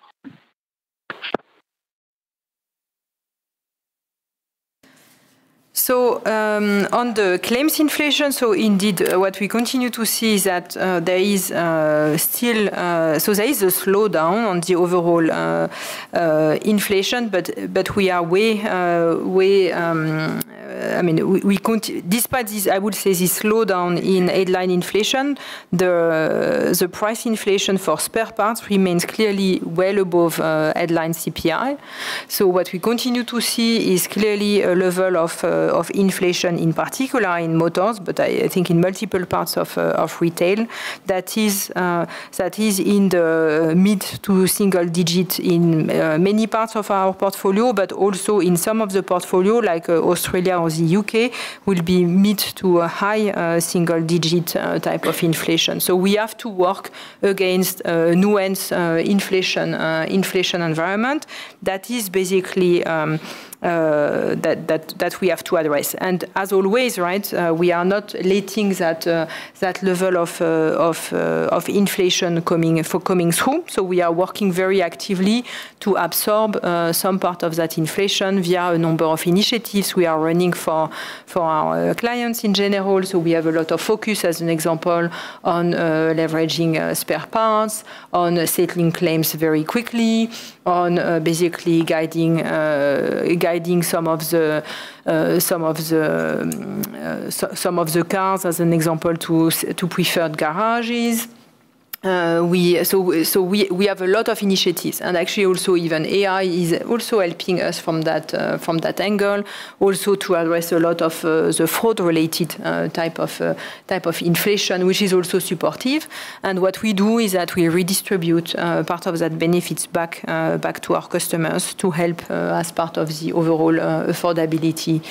On the claims inflation, indeed, what we continue to see is that there is still. There is a slowdown on the overall inflation, but we are way, I mean, despite this, I would say, this slowdown in headline inflation, the price inflation for spare parts remains clearly well above headline CPI. What we continue to see is clearly a level of inflation, in particular in motors, but I think in multiple parts of retail. That is in the mid to single-digit in many parts of our portfolio, but also in some of the portfolio, like Australia or the UK, will be mid to high single-digit type of inflation. We have to work against new ends inflation environment that is basically that we have to address. As always, right, we are not letting that level of inflation coming through, so we are working very actively to absorb some part of that inflation via a number of initiatives we are running for our clients in general. We have a lot of focus, as an example, on leveraging spare parts, on settling claims very quickly, on basically guiding some of the cars, as an example, to preferred garages. We have a lot of initiatives, actually also even AI is also helping us from that angle. Also to address a lot of the fraud-related type of inflation, which is also supportive. What we do is that we redistribute part of that benefits back to our customers to help as part of the overall affordability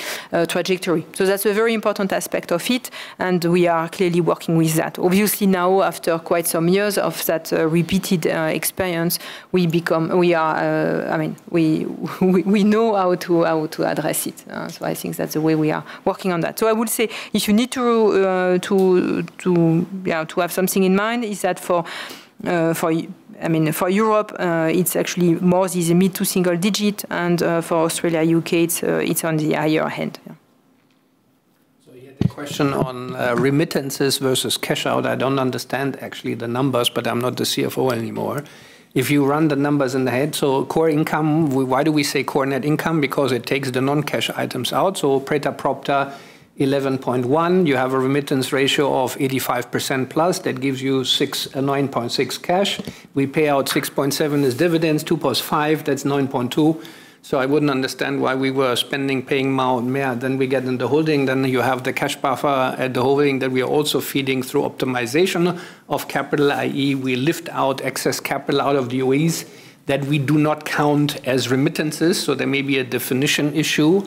trajectory. That's a very important aspect of it, and we are clearly working with that. Obviously, now, after quite some years of that repeated experience, we are. I mean, we know how to address it. I think that's the way we are working on that. I would say if you need to have something in mind, is that for, I mean, for Europe, it's actually more is mid to single digit, and for Australia, UK, it's on the higher end. Yeah. You had the question on remittances versus cash out. I don't understand actually the numbers, but I'm not the CFO anymore. If you run the numbers in the head, core income, why do we say core net income? Because it takes the non-cash items out. Præter propter, 11.1, you have a remittance ratio of 85%+, that gives you 9.6 cash. We pay out 6.7 as dividends, 2 plus 5, that's 9.2. I wouldn't understand why we were paying more and more. We get in the holding, then you have the cash buffer at the holding that we are also feeding through optimization of capital, i.e., we lift out excess capital out of the OEs that we do not count as remittances, so there may be a definition issue.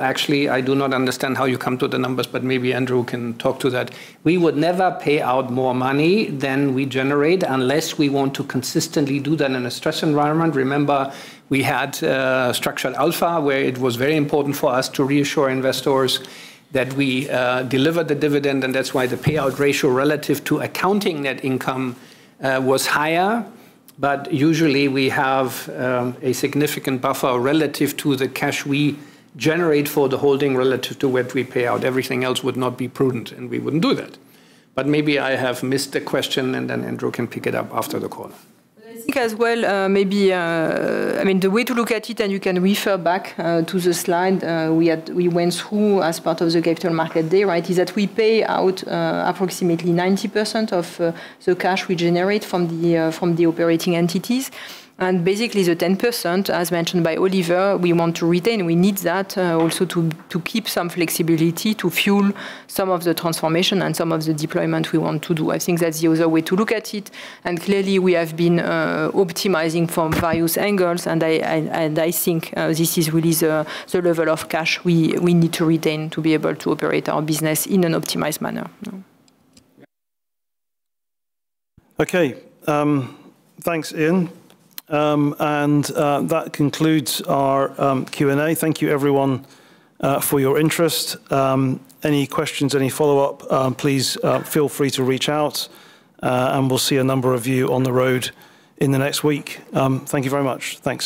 Actually, I do not understand how you come to the numbers, but maybe Andrew can talk to that. We would never pay out more money than we generate unless we want to consistently do that in a stress environment. Remember, we had Structured Alpha, where it was very important for us to reassure investors that we delivered the dividend, and that's why the payout ratio relative to accounting net income was higher. Usually, we have a significant buffer relative to the cash we generate for the holding relative to what we pay out. Everything else would not be prudent, and we wouldn't do that. Maybe I have missed the question, and then Andrew can pick it up after the call. I think as well, maybe, I mean, the way to look at it, and you can refer back, to the slide, we went through as part of the Capital Markets Day, right? Is that we pay out, approximately 90% of the cash we generate from the operating entities. Basically, the 10%, as mentioned by Oliver, we want to retain, and we need that also to keep some flexibility to fuel some of the transformation and some of the deployment we want to do. I think that's the other way to look at it. Clearly, we have been optimizing from various angles, and I think, this is really the level of cash we need to retain to be able to operate our business in an optimized manner. Okay, thanks, Iain. That concludes our Q&A. Thank you, everyone, for your interest. Any questions, any follow-up, please feel free to reach out, and we'll see a number of you on the road in the next week. Thank you very much. Thanks.